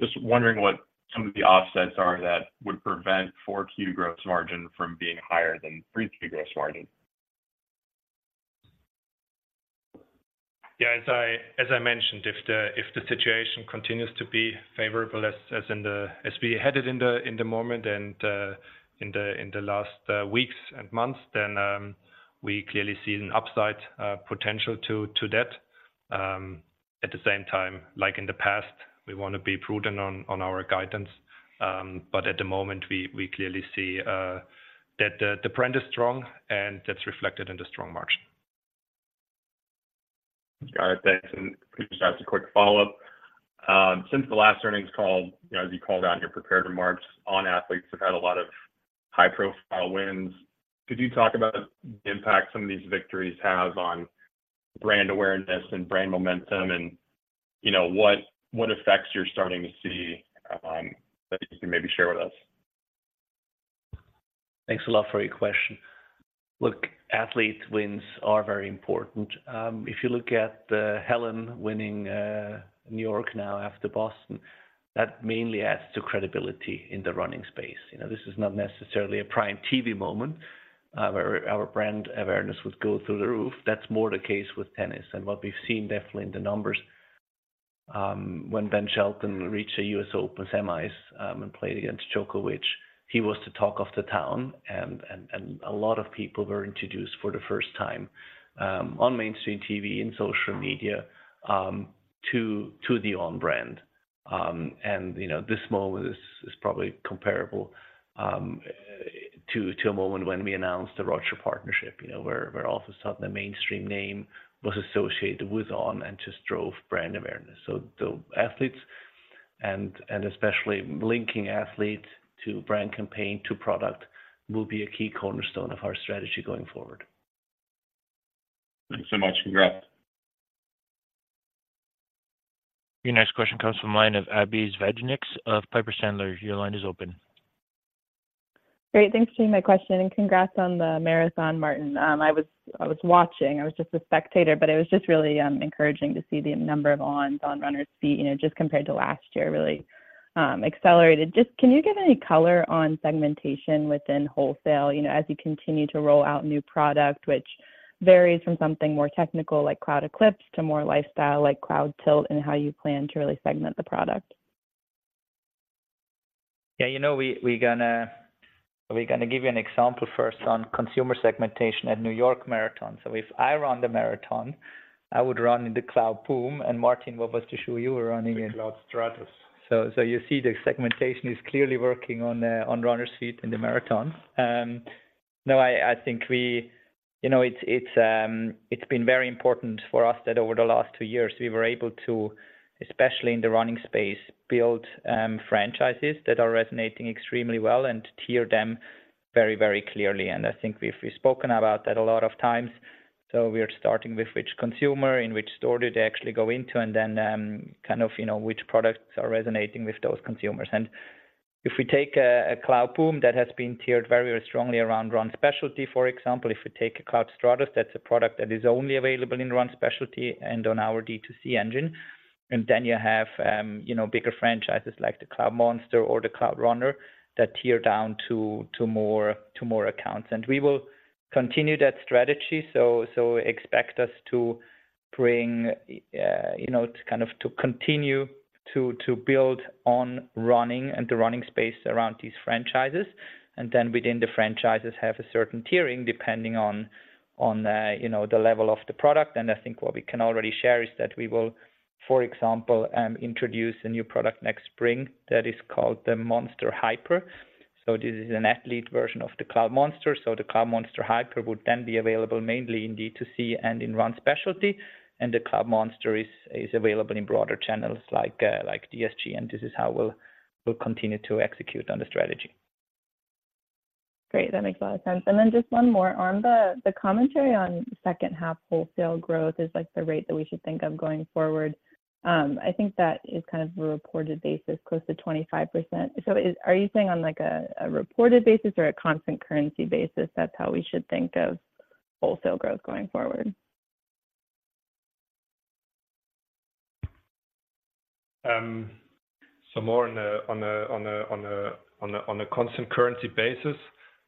just wondering what some of the offsets are that would prevent Q4 gross margin from being higher than Q3 gross margin? Yeah. As I mentioned, if the situation continues to be favorable as in the—as we headed in the moment and in the last weeks and months, then we clearly see an upside potential to that. At the same time, like in the past, we wanna be prudent on our guidance. But at the moment, we clearly see that the brand is strong, and that's reflected in the strong margin. All right. Thanks. Just as a quick follow-up, since the last earnings call, you know, as you called out in your prepared remarks, On athletes have had a lot of high-profile wins. Could you talk about the impact some of these victories have on brand awareness and brand momentum? And, you know, what, what effects you're starting to see, that you can maybe share with us? Thanks a lot for your question. Look, athlete wins are very important. If you look at Hellen winning New York now after Boston, that mainly adds to credibility in the running space. You know, this is not necessarily a prime TV moment where our brand awareness would go through the roof. That's more the case with tennis. And what we've seen definitely in the numbers when Ben Shelton reached the US Open semis and played against Djokovic, he was the talk of the town, and a lot of people were introduced for the first time on mainstream TV and social media to the On brand. And, you know, this moment is probably comparable to a moment when we announced the Roger partnership, you know, where all of a sudden a mainstream name was associated with On and just drove brand awareness. So the athletes and especially linking athletes to brand campaign to product will be a key cornerstone of our strategy going forward. Thanks so much. Congrats. Your next question comes from line of Abbie Zvejnieks of Piper Sandler. Your line is open. Great, thanks for taking my question, and congrats on the marathon, Martin. I was, I was watching. I was just a spectator, but it was just really encouraging to see the number of On, On runners see, you know, just compared to last year, really accelerated. Just, can you give any color on segmentation within wholesale, you know, as you continue to roll out new product, which varies from something more technical, like Cloudeclipse, to more lifestyle like Cloud Tilt, and how you plan to really segment the product? Yeah, you know, we're gonna give you an example first on consumer segmentation at New York Marathon. So if I run the marathon, I would run in the Cloudboom. And Martin, what was to show you were running in? The Cloudstratus. So, so you see, the segmentation is clearly working on, on runner's feet in the marathon. No, I, I think we, you know, it's, it's, it's been very important for us that over the last two years, we were able to, especially in the running space, build, franchises that are resonating extremely well and tier them very, very clearly. And I think we've, we've spoken about that a lot of times. So we are starting with which consumer, in which store did they actually go into, and then, kind of, you know, which products are resonating with those consumers. And if we take a, a Cloudboom that has been tiered very, very strongly around Run Specialty, for example, if we take a Cloudstratus, that's a product that is only available in Run Specialty and on our D2C engine. Then you have, you know, bigger franchises like the Cloudmonster or the Cloudrunner, that tier down to more accounts. We will continue that strategy, so expect us to bring, you know, to kind of continue to build on running and the running space around these franchises, and then within the franchises have a certain tiering, depending on the level of the product. I think what we can already share is that we will, for example, introduce a new product next spring that is called the Cloudmonster Hyper. So this is an athlete version of the Cloudmonster. The Cloudmonster Hyper would then be available mainly in D2C and in Run Specialty, and the Cloudmonster is available in broader channels like DSG, and this is how we'll continue to execute on the strategy. Great. That makes a lot of sense. And then just one more. On the commentary on second half wholesale growth is like the rate that we should think of going forward. I think that is kind of a reported basis, close to 25%. So, are you saying on, like, a reported basis or a constant currency basis, that's how we should think of wholesale growth going forward? So more on a constant currency basis,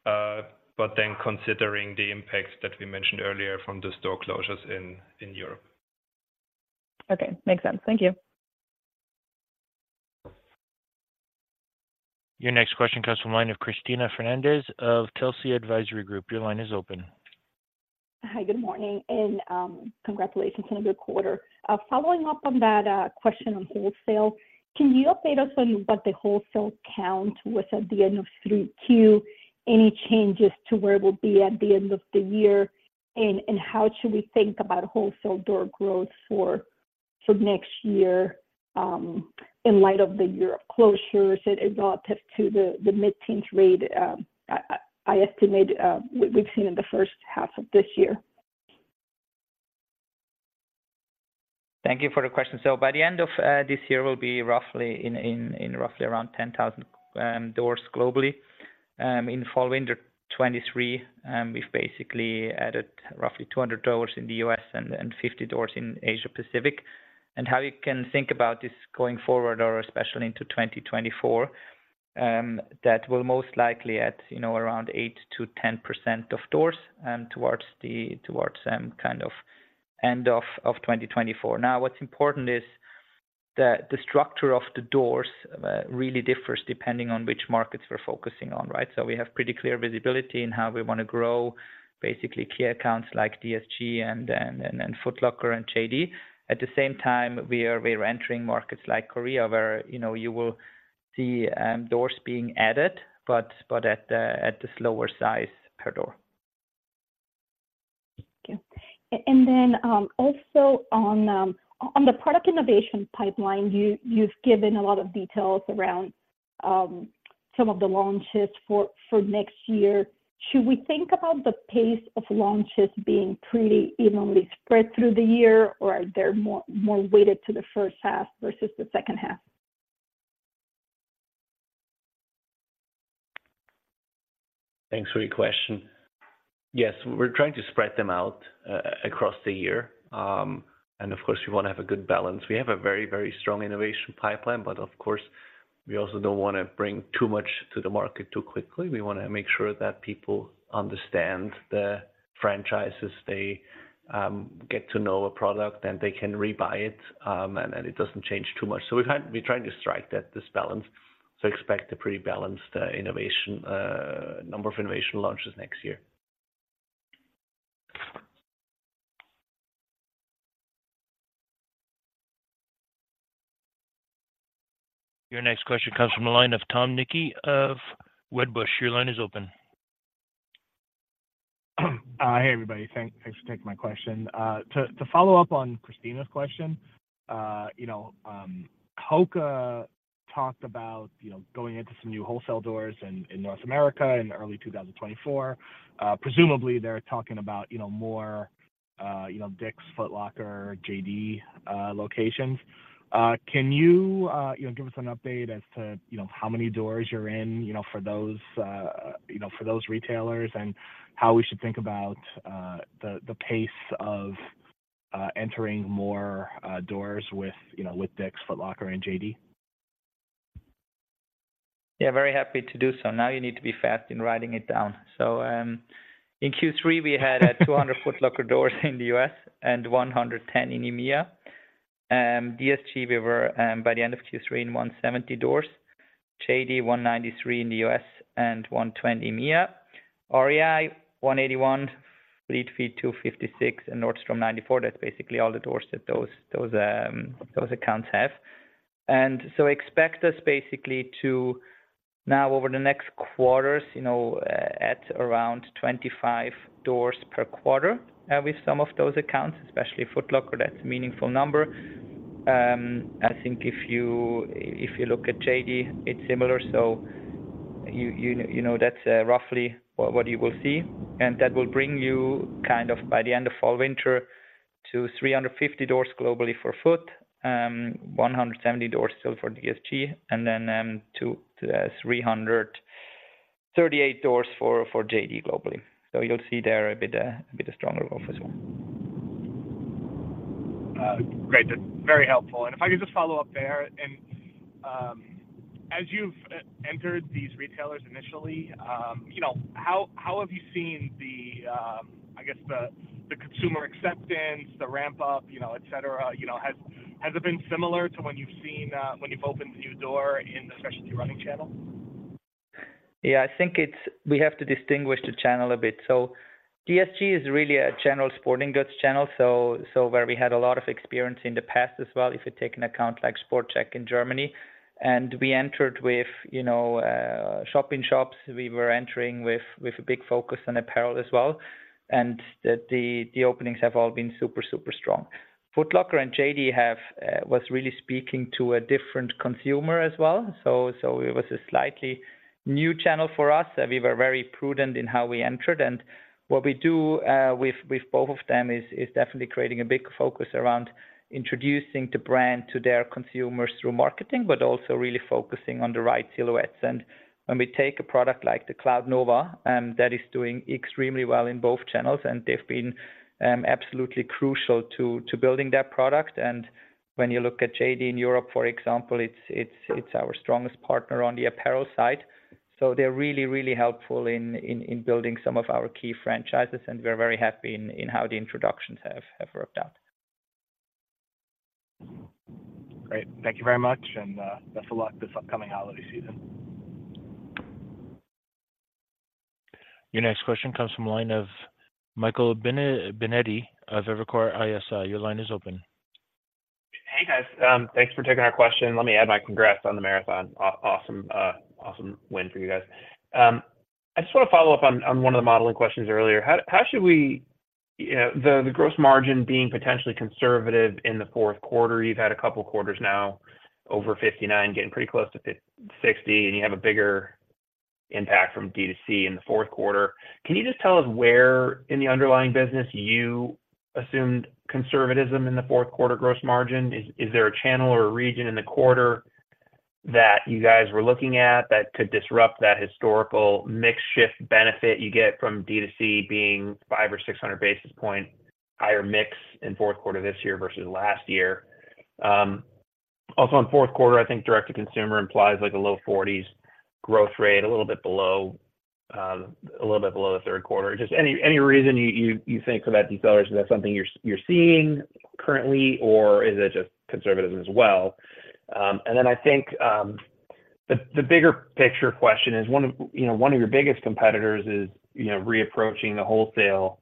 but then considering the impacts that we mentioned earlier from the store closures in Europe. Okay. Makes sense. Thank you. Your next question comes from the line of Cristina Fernández of Telsey Advisory Group. Your line is open. Hi, good morning, and congratulations on a good quarter. Following up on that, question on wholesale, can you update us on what the wholesale count was at the end of Q3? Any changes to where it will be at the end of the year, and how should we think about wholesale door growth for next year, in light of the Europe closures and relative to the mid-teens rate I estimate we've seen in the first half of this year? Thank you for the question. So by the end of this year, we'll be roughly in roughly around 10,000 doors globally. In Fall/Winter 2023, we've basically added roughly 200 doors in the U.S. and 50 doors in Asia Pacific. And how you can think about this going forward or especially into 2024, that will most likely, you know, around 8%-10% of doors towards the kind of end of 2024. Now, what's important is that the structure of the doors really differs depending on which markets we're focusing on, right? So we have pretty clear visibility in how we want to grow, basically key accounts like DSG and Foot Locker and JD. At the same time, we are reentering markets like Korea, where, you know, you will see doors being added, but at the slower size per door. Thank you. And then, also on the product innovation pipeline, you've given a lot of details around some of the launches for next year. Should we think about the pace of launches being pretty evenly spread through the year, or are there more weighted to the first half versus the second half? Thanks for your question. Yes, we're trying to spread them out across the year. And of course, we want to have a good balance. We have a very, very strong innovation pipeline, but of course, we also don't want to bring too much to the market too quickly. We want to make sure that people understand the franchises. They get to know a product, and they can rebuy it, and it doesn't change too much. So we're trying to strike that, this balance. So expect a pretty balanced innovation number of innovation launches next year. Your next question comes from the line of Tom Nikic of Wedbush. Your line is open. Hey, everybody. Thanks for taking my question. To follow up on Cristina's question, you know, HOKA talked about, you know, going into some new wholesale doors in North America in early 2024. Presumably, they're talking about, you know, more, you know, Dick's, Foot Locker, JD locations. Can you, you know, give us an update as to, you know, how many doors you're in, you know, for those, you know, for those retailers? And how we should think about, the pace of entering more doors with, you know, with Dick's, Foot Locker, and JD? Yeah, very happy to do so. Now you need to be fast in writing it down. So, in Q3, we had 200 Foot Locker doors in the U.S. and 110 in EMEA. DSG, we were, by the end of Q3, in 170 doors. JD, 193 in the U.S. and 120 EMEA. REI, 181, Fleet Feet, 256, and Nordstrom, 94. That's basically all the doors that those, those, those accounts have. And so expect us basically to now over the next quarters, you know, at around 25 doors per quarter, with some of those accounts, especially Foot Locker, that's a meaningful number. I think if you, if you look at JD, it's similar. So you know, that's roughly what you will see, and that will bring you kind of by the end of fall, winter, to 350 doors globally for Foot Locker, 170 doors still for DSG, and then to 338 doors for JD globally. So you'll see there a bit a stronger offer as well. Great. That's very helpful. If I could just follow up there, as you've entered these retailers initially, you know, how have you seen the, I guess, the consumer acceptance, the ramp up, you know, et cetera? You know, has it been similar to when you've opened a new door in the specialty running channel? Yeah, I think it's—we have to distinguish the channel a bit. So DSG is really a general sporting goods channel, so where we had a lot of experience in the past as well, if you take an account like Sport Chek in Germany, and we entered with, you know, shop-in-shops, we were entering with a big focus on apparel as well, and the openings have all been super, super strong. Foot Locker and JD have been really speaking to a different consumer as well. So it was a slightly new channel for us, and we were very prudent in how we entered. And what we do with both of them is definitely creating a big focus around introducing the brand to their consumers through marketing, but also really focusing on the right silhouettes. When we take a product like the Cloudnova, that is doing extremely well in both channels, and they've been absolutely crucial to building that product. When you look at JD in Europe, for example, it's our strongest partner on the apparel side. So they're really, really helpful in building some of our key franchises, and we're very happy in how the introductions have worked out. Great. Thank you very much, and best of luck this upcoming holiday season. Your next question comes from the line of Michael Binetti of Evercore ISI. Your line is open. Hey, guys, thanks for taking our question. Let me add my congrats on the marathon. Awesome, awesome win for you guys. I just want to follow up on one of the modeling questions earlier. How should we... The gross margin being potentially conservative in the fourth quarter, you've had a couple quarters now over 59, getting pretty close to 60, and you have a bigger impact from D2C in the fourth quarter. Can you just tell us where in the underlying business you assumed conservatism in the fourth quarter gross margin? Is there a channel or a region in the quarter that you guys were looking at that could disrupt that historical mix shift benefit you get from D2C being 500 or 600 basis points higher mix in fourth quarter this year versus last year? Also in fourth quarter, I think direct-to-consumer implies like a low 40s growth rate, a little bit below, a little bit below the third quarter. Just any, any reason you, you, you think for that deceleration, is that something you're, you're seeing currently, or is it just conservatism as well? And then I think, the, the bigger picture question is one of, you know, one of your biggest competitors is, you know, reapproaching the wholesale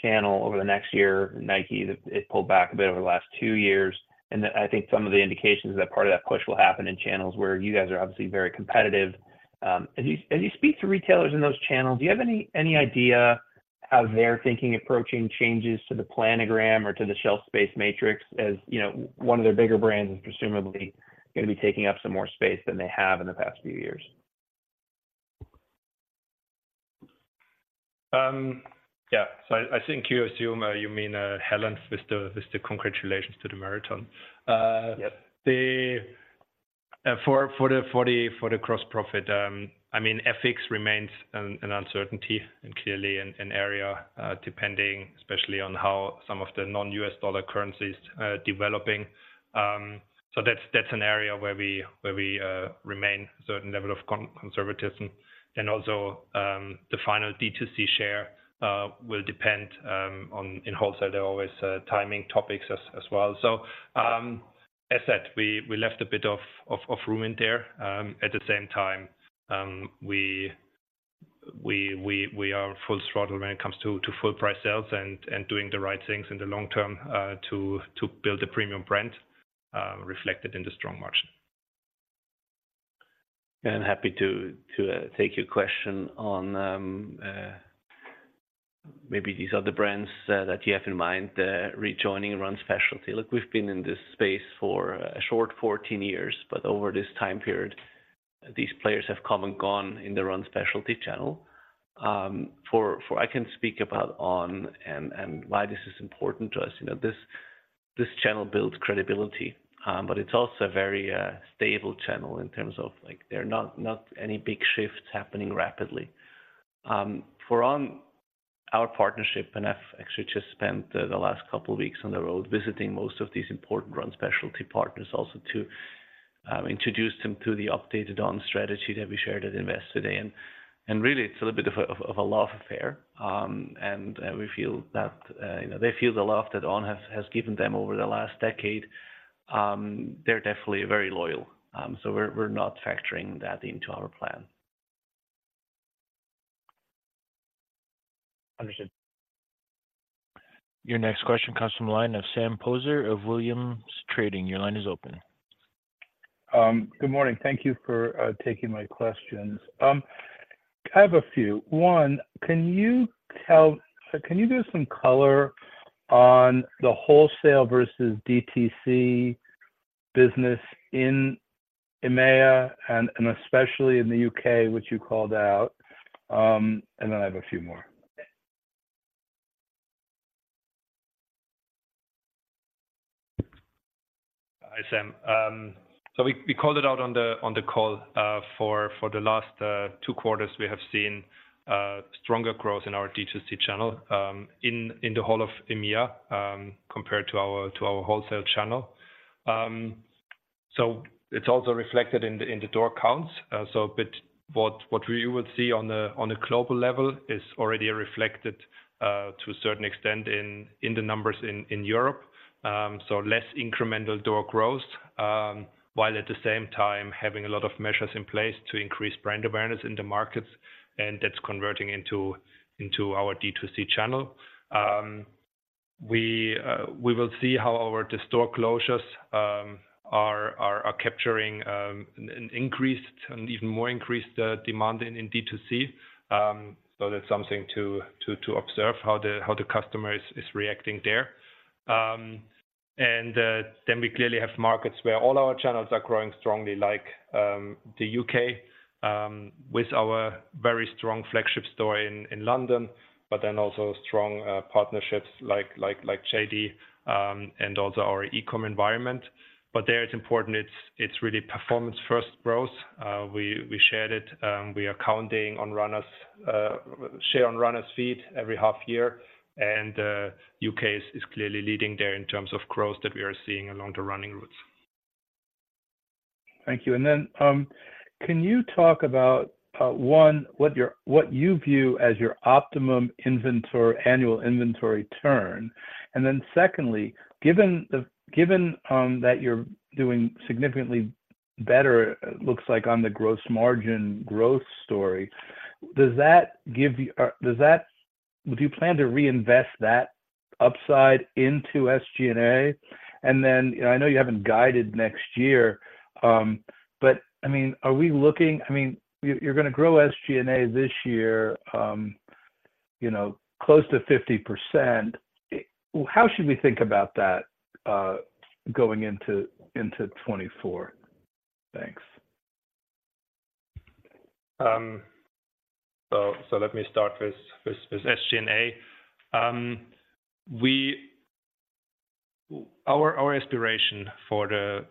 channel over the next year. Nike, it pulled back a bit over the last two years, and I think some of the indications is that part of that push will happen in channels where you guys are obviously very competitive. As you speak to retailers in those channels, do you have any idea how they're thinking approaching changes to the planogram or to the shelf space matrix, as, you know, one of their bigger brands is presumably going to be taking up some more space than they have in the past few years? Yeah. So I think you assume you mean Hellen with the congratulations to the marathon. Yep. The gross profit, I mean, FX remains an uncertainty and clearly an area depending especially on how some of the non-U.S. dollar currencies are developing. So that's an area where we remain a certain level of conservatism. Also, the final D2C share will depend on... In wholesale, there are always timing topics as well. So, as said, we left a bit of room in there. At the same time, we are full throttle when it comes to full price sales and doing the right things in the long term to build a premium brand, reflected in the strong margin. Happy to take your question on maybe these other brands that you have in mind rejoining Run Specialty. Look, we've been in this space for a short 14 years, but over this time period, these players have come and gone in the Run Specialty channel. I can speak about On and why this is important to us. You know, this channel builds credibility, but it's also a very stable channel in terms of like, there are not any big shifts happening rapidly. For On, our partnership, and I've actually just spent the last couple of weeks on the road visiting most of these important Run Specialty partners also to introduce them to the updated On strategy that we shared at Investor Day today. Really, it's a little bit of a love affair, and we feel that, you know, they feel the love that On has given them over the last decade. They're definitely very loyal, so we're not factoring that into our plan.... Understood. Your next question comes from the line of Sam Poser of Williams Trading. Your line is open. Good morning. Thank you for taking my questions. I have a few. One, can you tell-- can you give some color on the wholesale versus DTC business in EMEA and, and especially in the U.K., which you called out? And then I have a few more. Hi, Sam. So we called it out on the call. For the last two quarters, we have seen stronger growth in our DTC channel in the whole of EMEA compared to our wholesale channel. So it's also reflected in the door counts. So but what you would see on a global level is already reflected to a certain extent in the numbers in Europe. So less incremental door growth, while at the same time having a lot of measures in place to increase brand awareness in the markets, and that's converting into our DTC channel. We will see how our the store closures are capturing an increased and even more increased demand in DTC. So that's something to observe how the customer is reacting there. Then we clearly have markets where all our channels are growing strongly, like the U.K. with our very strong flagship store in London, but then also strong partnerships like JD and also our e-com environment. But there it's important; it's really performance first growth. We shared it. We are counting on runners' share on runners' feet every half year, and U.K. is clearly leading there in terms of growth that we are seeing along the running routes. Thank you. And then, can you talk about, one, what you view as your optimum inventory, annual inventory turn? And then secondly, given that you're doing significantly better, it looks like on the gross margin growth story, does that give you... would you plan to reinvest that upside into SG&A? And then, I know you haven't guided next year, but, I mean, are we looking-- I mean, you're gonna grow SG&A this year, you know, close to 50%. How should we think about that, going into 2024? Thanks. So let me start with SG&A. Our aspiration for the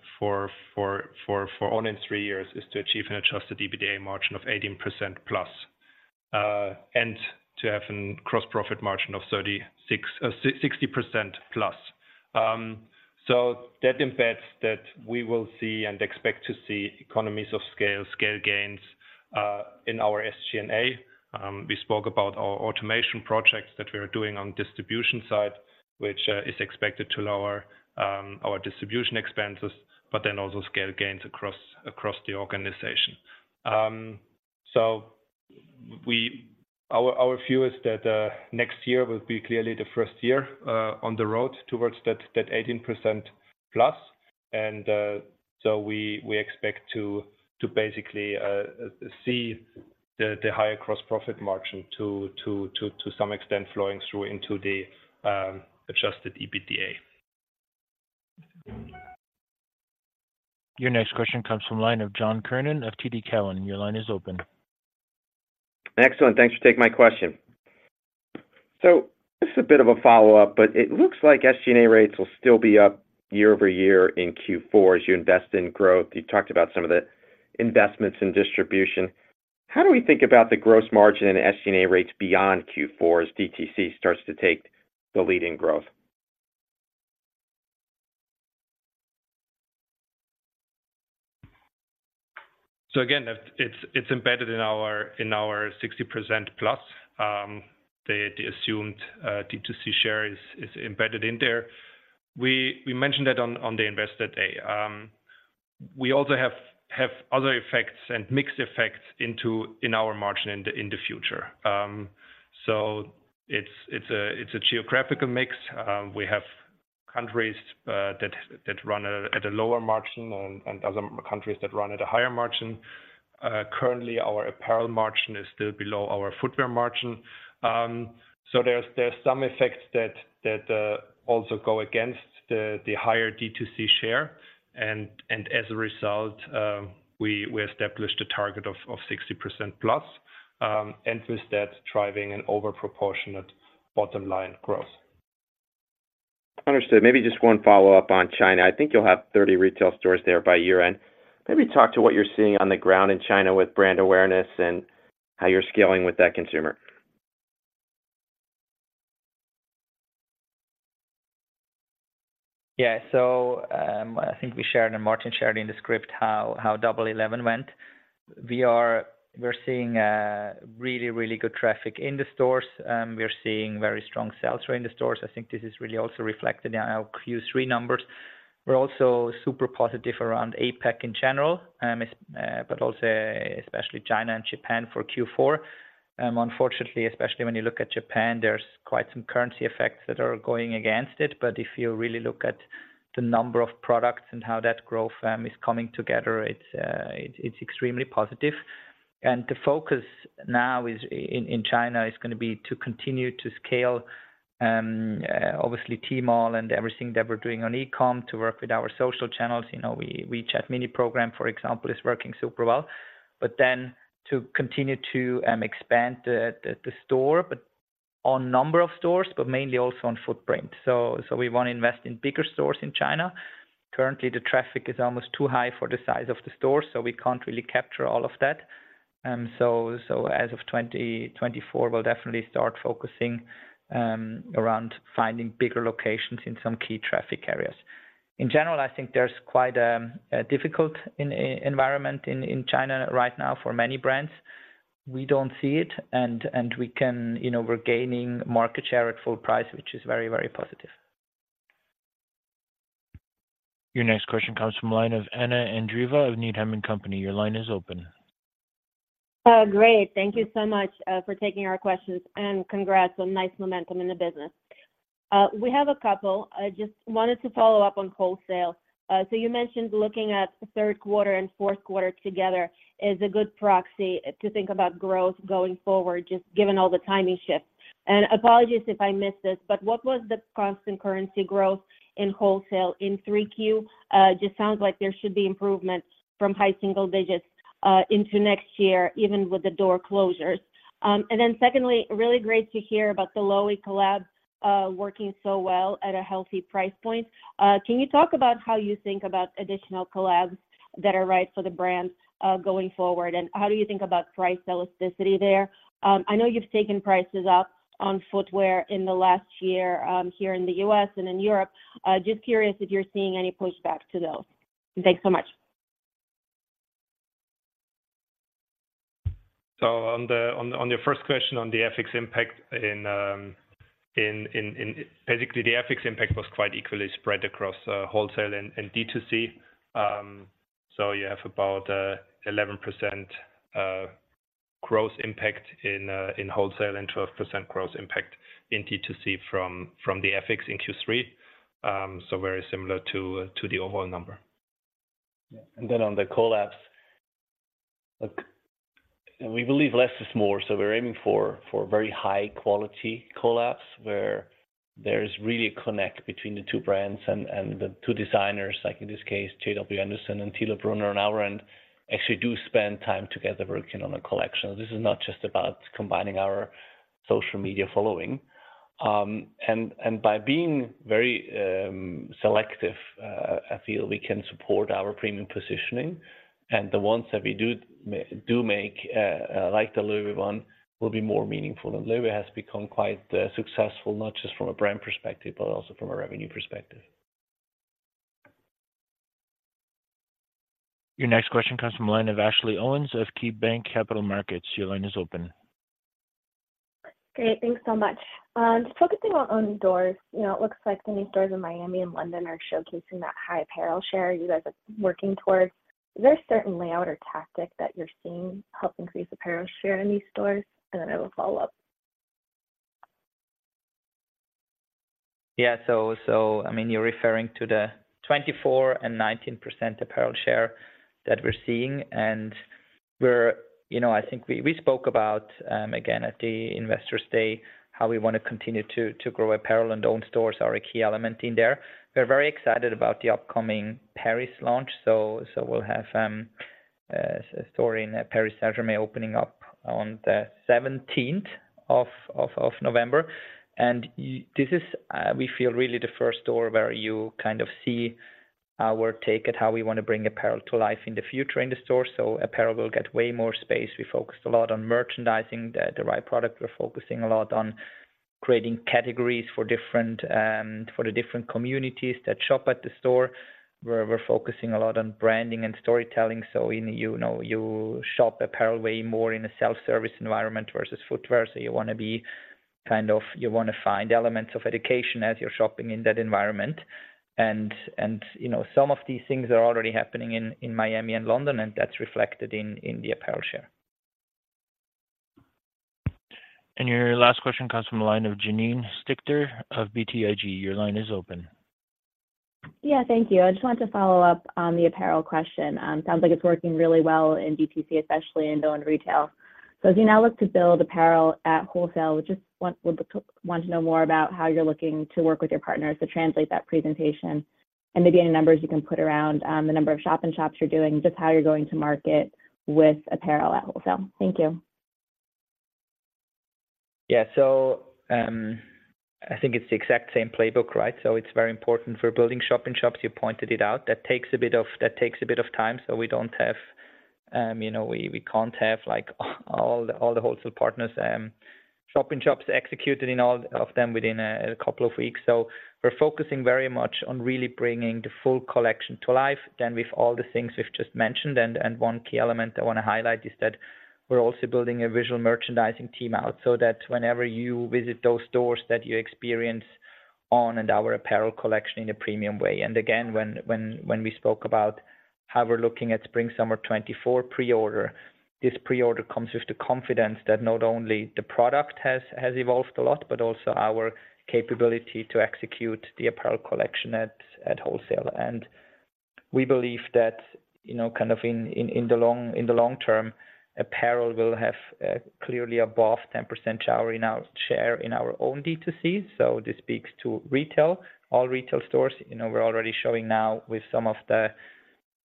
ongoing three years is to achieve an adjusted EBITDA margin of 18%+, and to have a gross profit margin of 36%-60%+. So that embeds that we will see and expect to see economies of scale, scale gains in our SG&A. We spoke about our automation projects that we are doing on distribution side, which is expected to lower our distribution expenses, but then also scale gains across the organization. So our view is that next year will be clearly the first year on the road towards that 18%+. So we expect to basically see the higher gross profit margin to some extent flowing through into the adjusted EBITDA. Your next question comes from the line of John Kernan of TD Cowen. Your line is open. Excellent. Thanks for taking my question. So this is a bit of a follow-up, but it looks like SG&A rates will still be up year over year in Q4 as you invest in growth. You talked about some of the investments in distribution. How do we think about the gross margin and SG&A rates beyond Q4 as DTC starts to take the lead in growth? So again, it's embedded in our 60% plus. The assumed DTC share is embedded in there. We mentioned that on the Investor Day. We also have other effects and mixed effects into our margin in the future. So it's a geographical mix. We have countries that run at a lower margin and other countries that run at a higher margin. Currently, our apparel margin is still below our footwear margin. So there's some effects that also go against the higher DTC share. And as a result, we established a target of 60% plus, and with that, driving an overproportionate bottom line growth. Understood. Maybe just one follow-up on China. I think you'll have 30 retail stores there by year-end. Maybe talk to what you're seeing on the ground in China with brand awareness and how you're scaling with that consumer. Yeah. So, I think we shared, and Martin shared in the script how Double Eleven went. We're seeing really, really good traffic in the stores, and we're seeing very strong sales rate in the stores. I think this is really also reflected in our Q3 numbers.... We're also super positive around APAC in general, but also especially China and Japan for Q4. Unfortunately, especially when you look at Japan, there's quite some currency effects that are going against it. But if you really look at the number of products and how that growth is coming together, it's extremely positive. And the focus now is in China is gonna be to continue to scale, obviously, Tmall and everything that we're doing on e-com to work with our social channels. You know, WeChat mini program, for example, is working super well. But then to continue to expand the store, but on number of stores, but mainly also on footprint. So we want to invest in bigger stores in China. Currently, the traffic is almost too high for the size of the store, so we can't really capture all of that. So as of 2024, we'll definitely start focusing around finding bigger locations in some key traffic areas. In general, I think there's quite a difficult environment in China right now for many brands. We don't see it, and we can, you know, we're gaining market share at full price, which is very, very positive. Your next question comes from the line of Anna Andreeva of Needham and Company. Your line is open. Great. Thank you so much for taking our questions, and congrats on nice momentum in the business. We have a couple. I just wanted to follow up on wholesale. So you mentioned looking at the third quarter and fourth quarter together is a good proxy to think about growth going forward, just given all the timing shifts. And apologies if I missed this, but what was the constant currency growth in wholesale in 3Q? Just sounds like there should be improvements from high single digits into next year, even with the door closures. And then secondly, really great to hear about the Loewe collab working so well at a healthy price point. Can you talk about how you think about additional collabs that are right for the brand going forward? And how do you think about price elasticity there? I know you've taken prices up on footwear in the last year, here in the U.S. and in Europe. Just curious if you're seeing any pushback to those? Thanks so much. So on the first question, on the FX impact in basically, the FX impact was quite equally spread across wholesale and D2C. So you have about 11% growth impact in wholesale and 12% growth impact in D2C from the FX in Q3. So very similar to the overall number. Yeah. And then on the collabs, look, we believe less is more, so we're aiming for very high-quality collabs where there's really a connect between the two brands and the two designers, like in this case, J.W. Anderson and Tilo Brunner on our end, actually do spend time together working on a collection. This is not just about combining our social media following. And by being very selective, I feel we can support our premium positioning. And the ones that we do make, like the Loewe one, will be more meaningful. And Loewe has become quite successful, not just from a brand perspective, but also from a revenue perspective. Your next question comes from the line of Ashley Owens of KeyBanc Capital Markets. Your line is open. Great. Thanks so much. Focusing on On doors, you know, it looks like the new stores in Miami and London are showcasing that high apparel share you guys are working towards. Is there a certain layout or tactic that you're seeing help increase apparel share in these stores? And then I will follow up. Yeah, so, I mean, you're referring to the 24% and 19% apparel share that we're seeing, and we're... You know, I think we spoke about, again, at the Investor Day, how we want to continue to grow apparel, and owned stores are a key element in there. We're very excited about the upcoming Paris launch. So we'll have a store in Paris, Saint-Germain opening up on the 17th of November. And this is, we feel, really the first store where you kind of see our take at how we want to bring apparel to life in the future in the store. So apparel will get way more space. We focused a lot on merchandising the right product. We're focusing a lot on creating categories for different, for the different communities that shop at the store, where we're focusing a lot on branding and storytelling. So in, you know, you shop apparel way more in a self-service environment versus footwear, so you wanna be kind of, you want to find elements of education as you're shopping in that environment. And, you know, some of these things are already happening in Miami and London, and that's reflected in the apparel share. Your last question comes from the line of Janine Stichter of BTIG. Your line is open. Yeah, thank you. I just wanted to follow up on the apparel question. Sounds like it's working really well in DTC, especially in owned retail. So as you now look to build apparel at wholesale, we just want we'd want to know more about how you're looking to work with your partners to translate that presentation. And maybe any numbers you can put around the number of shop-in-shops you're doing, just how you're going to market with apparel at wholesale. Thank you. Yeah. So, I think it's the exact same playbook, right? So it's very important for building shop-in-shops. You pointed it out. That takes a bit of, that takes a bit of time, so we don't have, you know, we, we can't have, like, all the, all the wholesale partners, shop-in-shops executed in all of them within a couple of weeks. So we're focusing very much on really bringing the full collection to life with all the things we've just mentioned. And one key element I want to highlight is that we're also building a visual merchandising team out, so that whenever you visit those stores, that you experience On and our apparel collection in a premium way. And again, when we spoke about how we're looking at spring, summer 2024 pre-order, this pre-order comes with the confidence that not only the product has evolved a lot, but also our capability to execute the apparel collection at wholesale. And we believe that, you know, kind of in the long term, apparel will have clearly above 10% share in our share in our own D2C. So this speaks to retail. All retail stores, you know, we're already showing now with some of the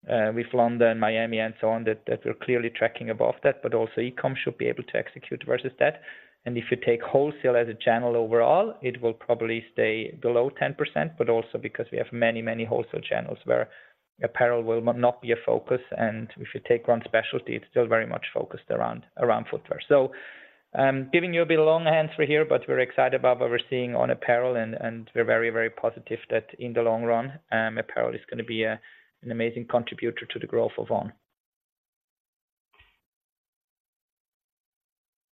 with London, Miami, and so on, that we're clearly tracking above that, but also e-com should be able to execute versus that. If you take wholesale as a channel overall, it will probably stay below 10%, but also because we have many, many wholesale channels where apparel will not be a focus, and if you take one specialty, it's still very much focused around footwear. So, giving you a bit of long answer here, but we're excited about what we're seeing on apparel, and, and we're very, very positive that in the long run, apparel is gonna be a, an amazing contributor to the growth of On.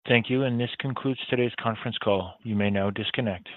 Thank you. And this concludes today's conference call. You may now disconnect.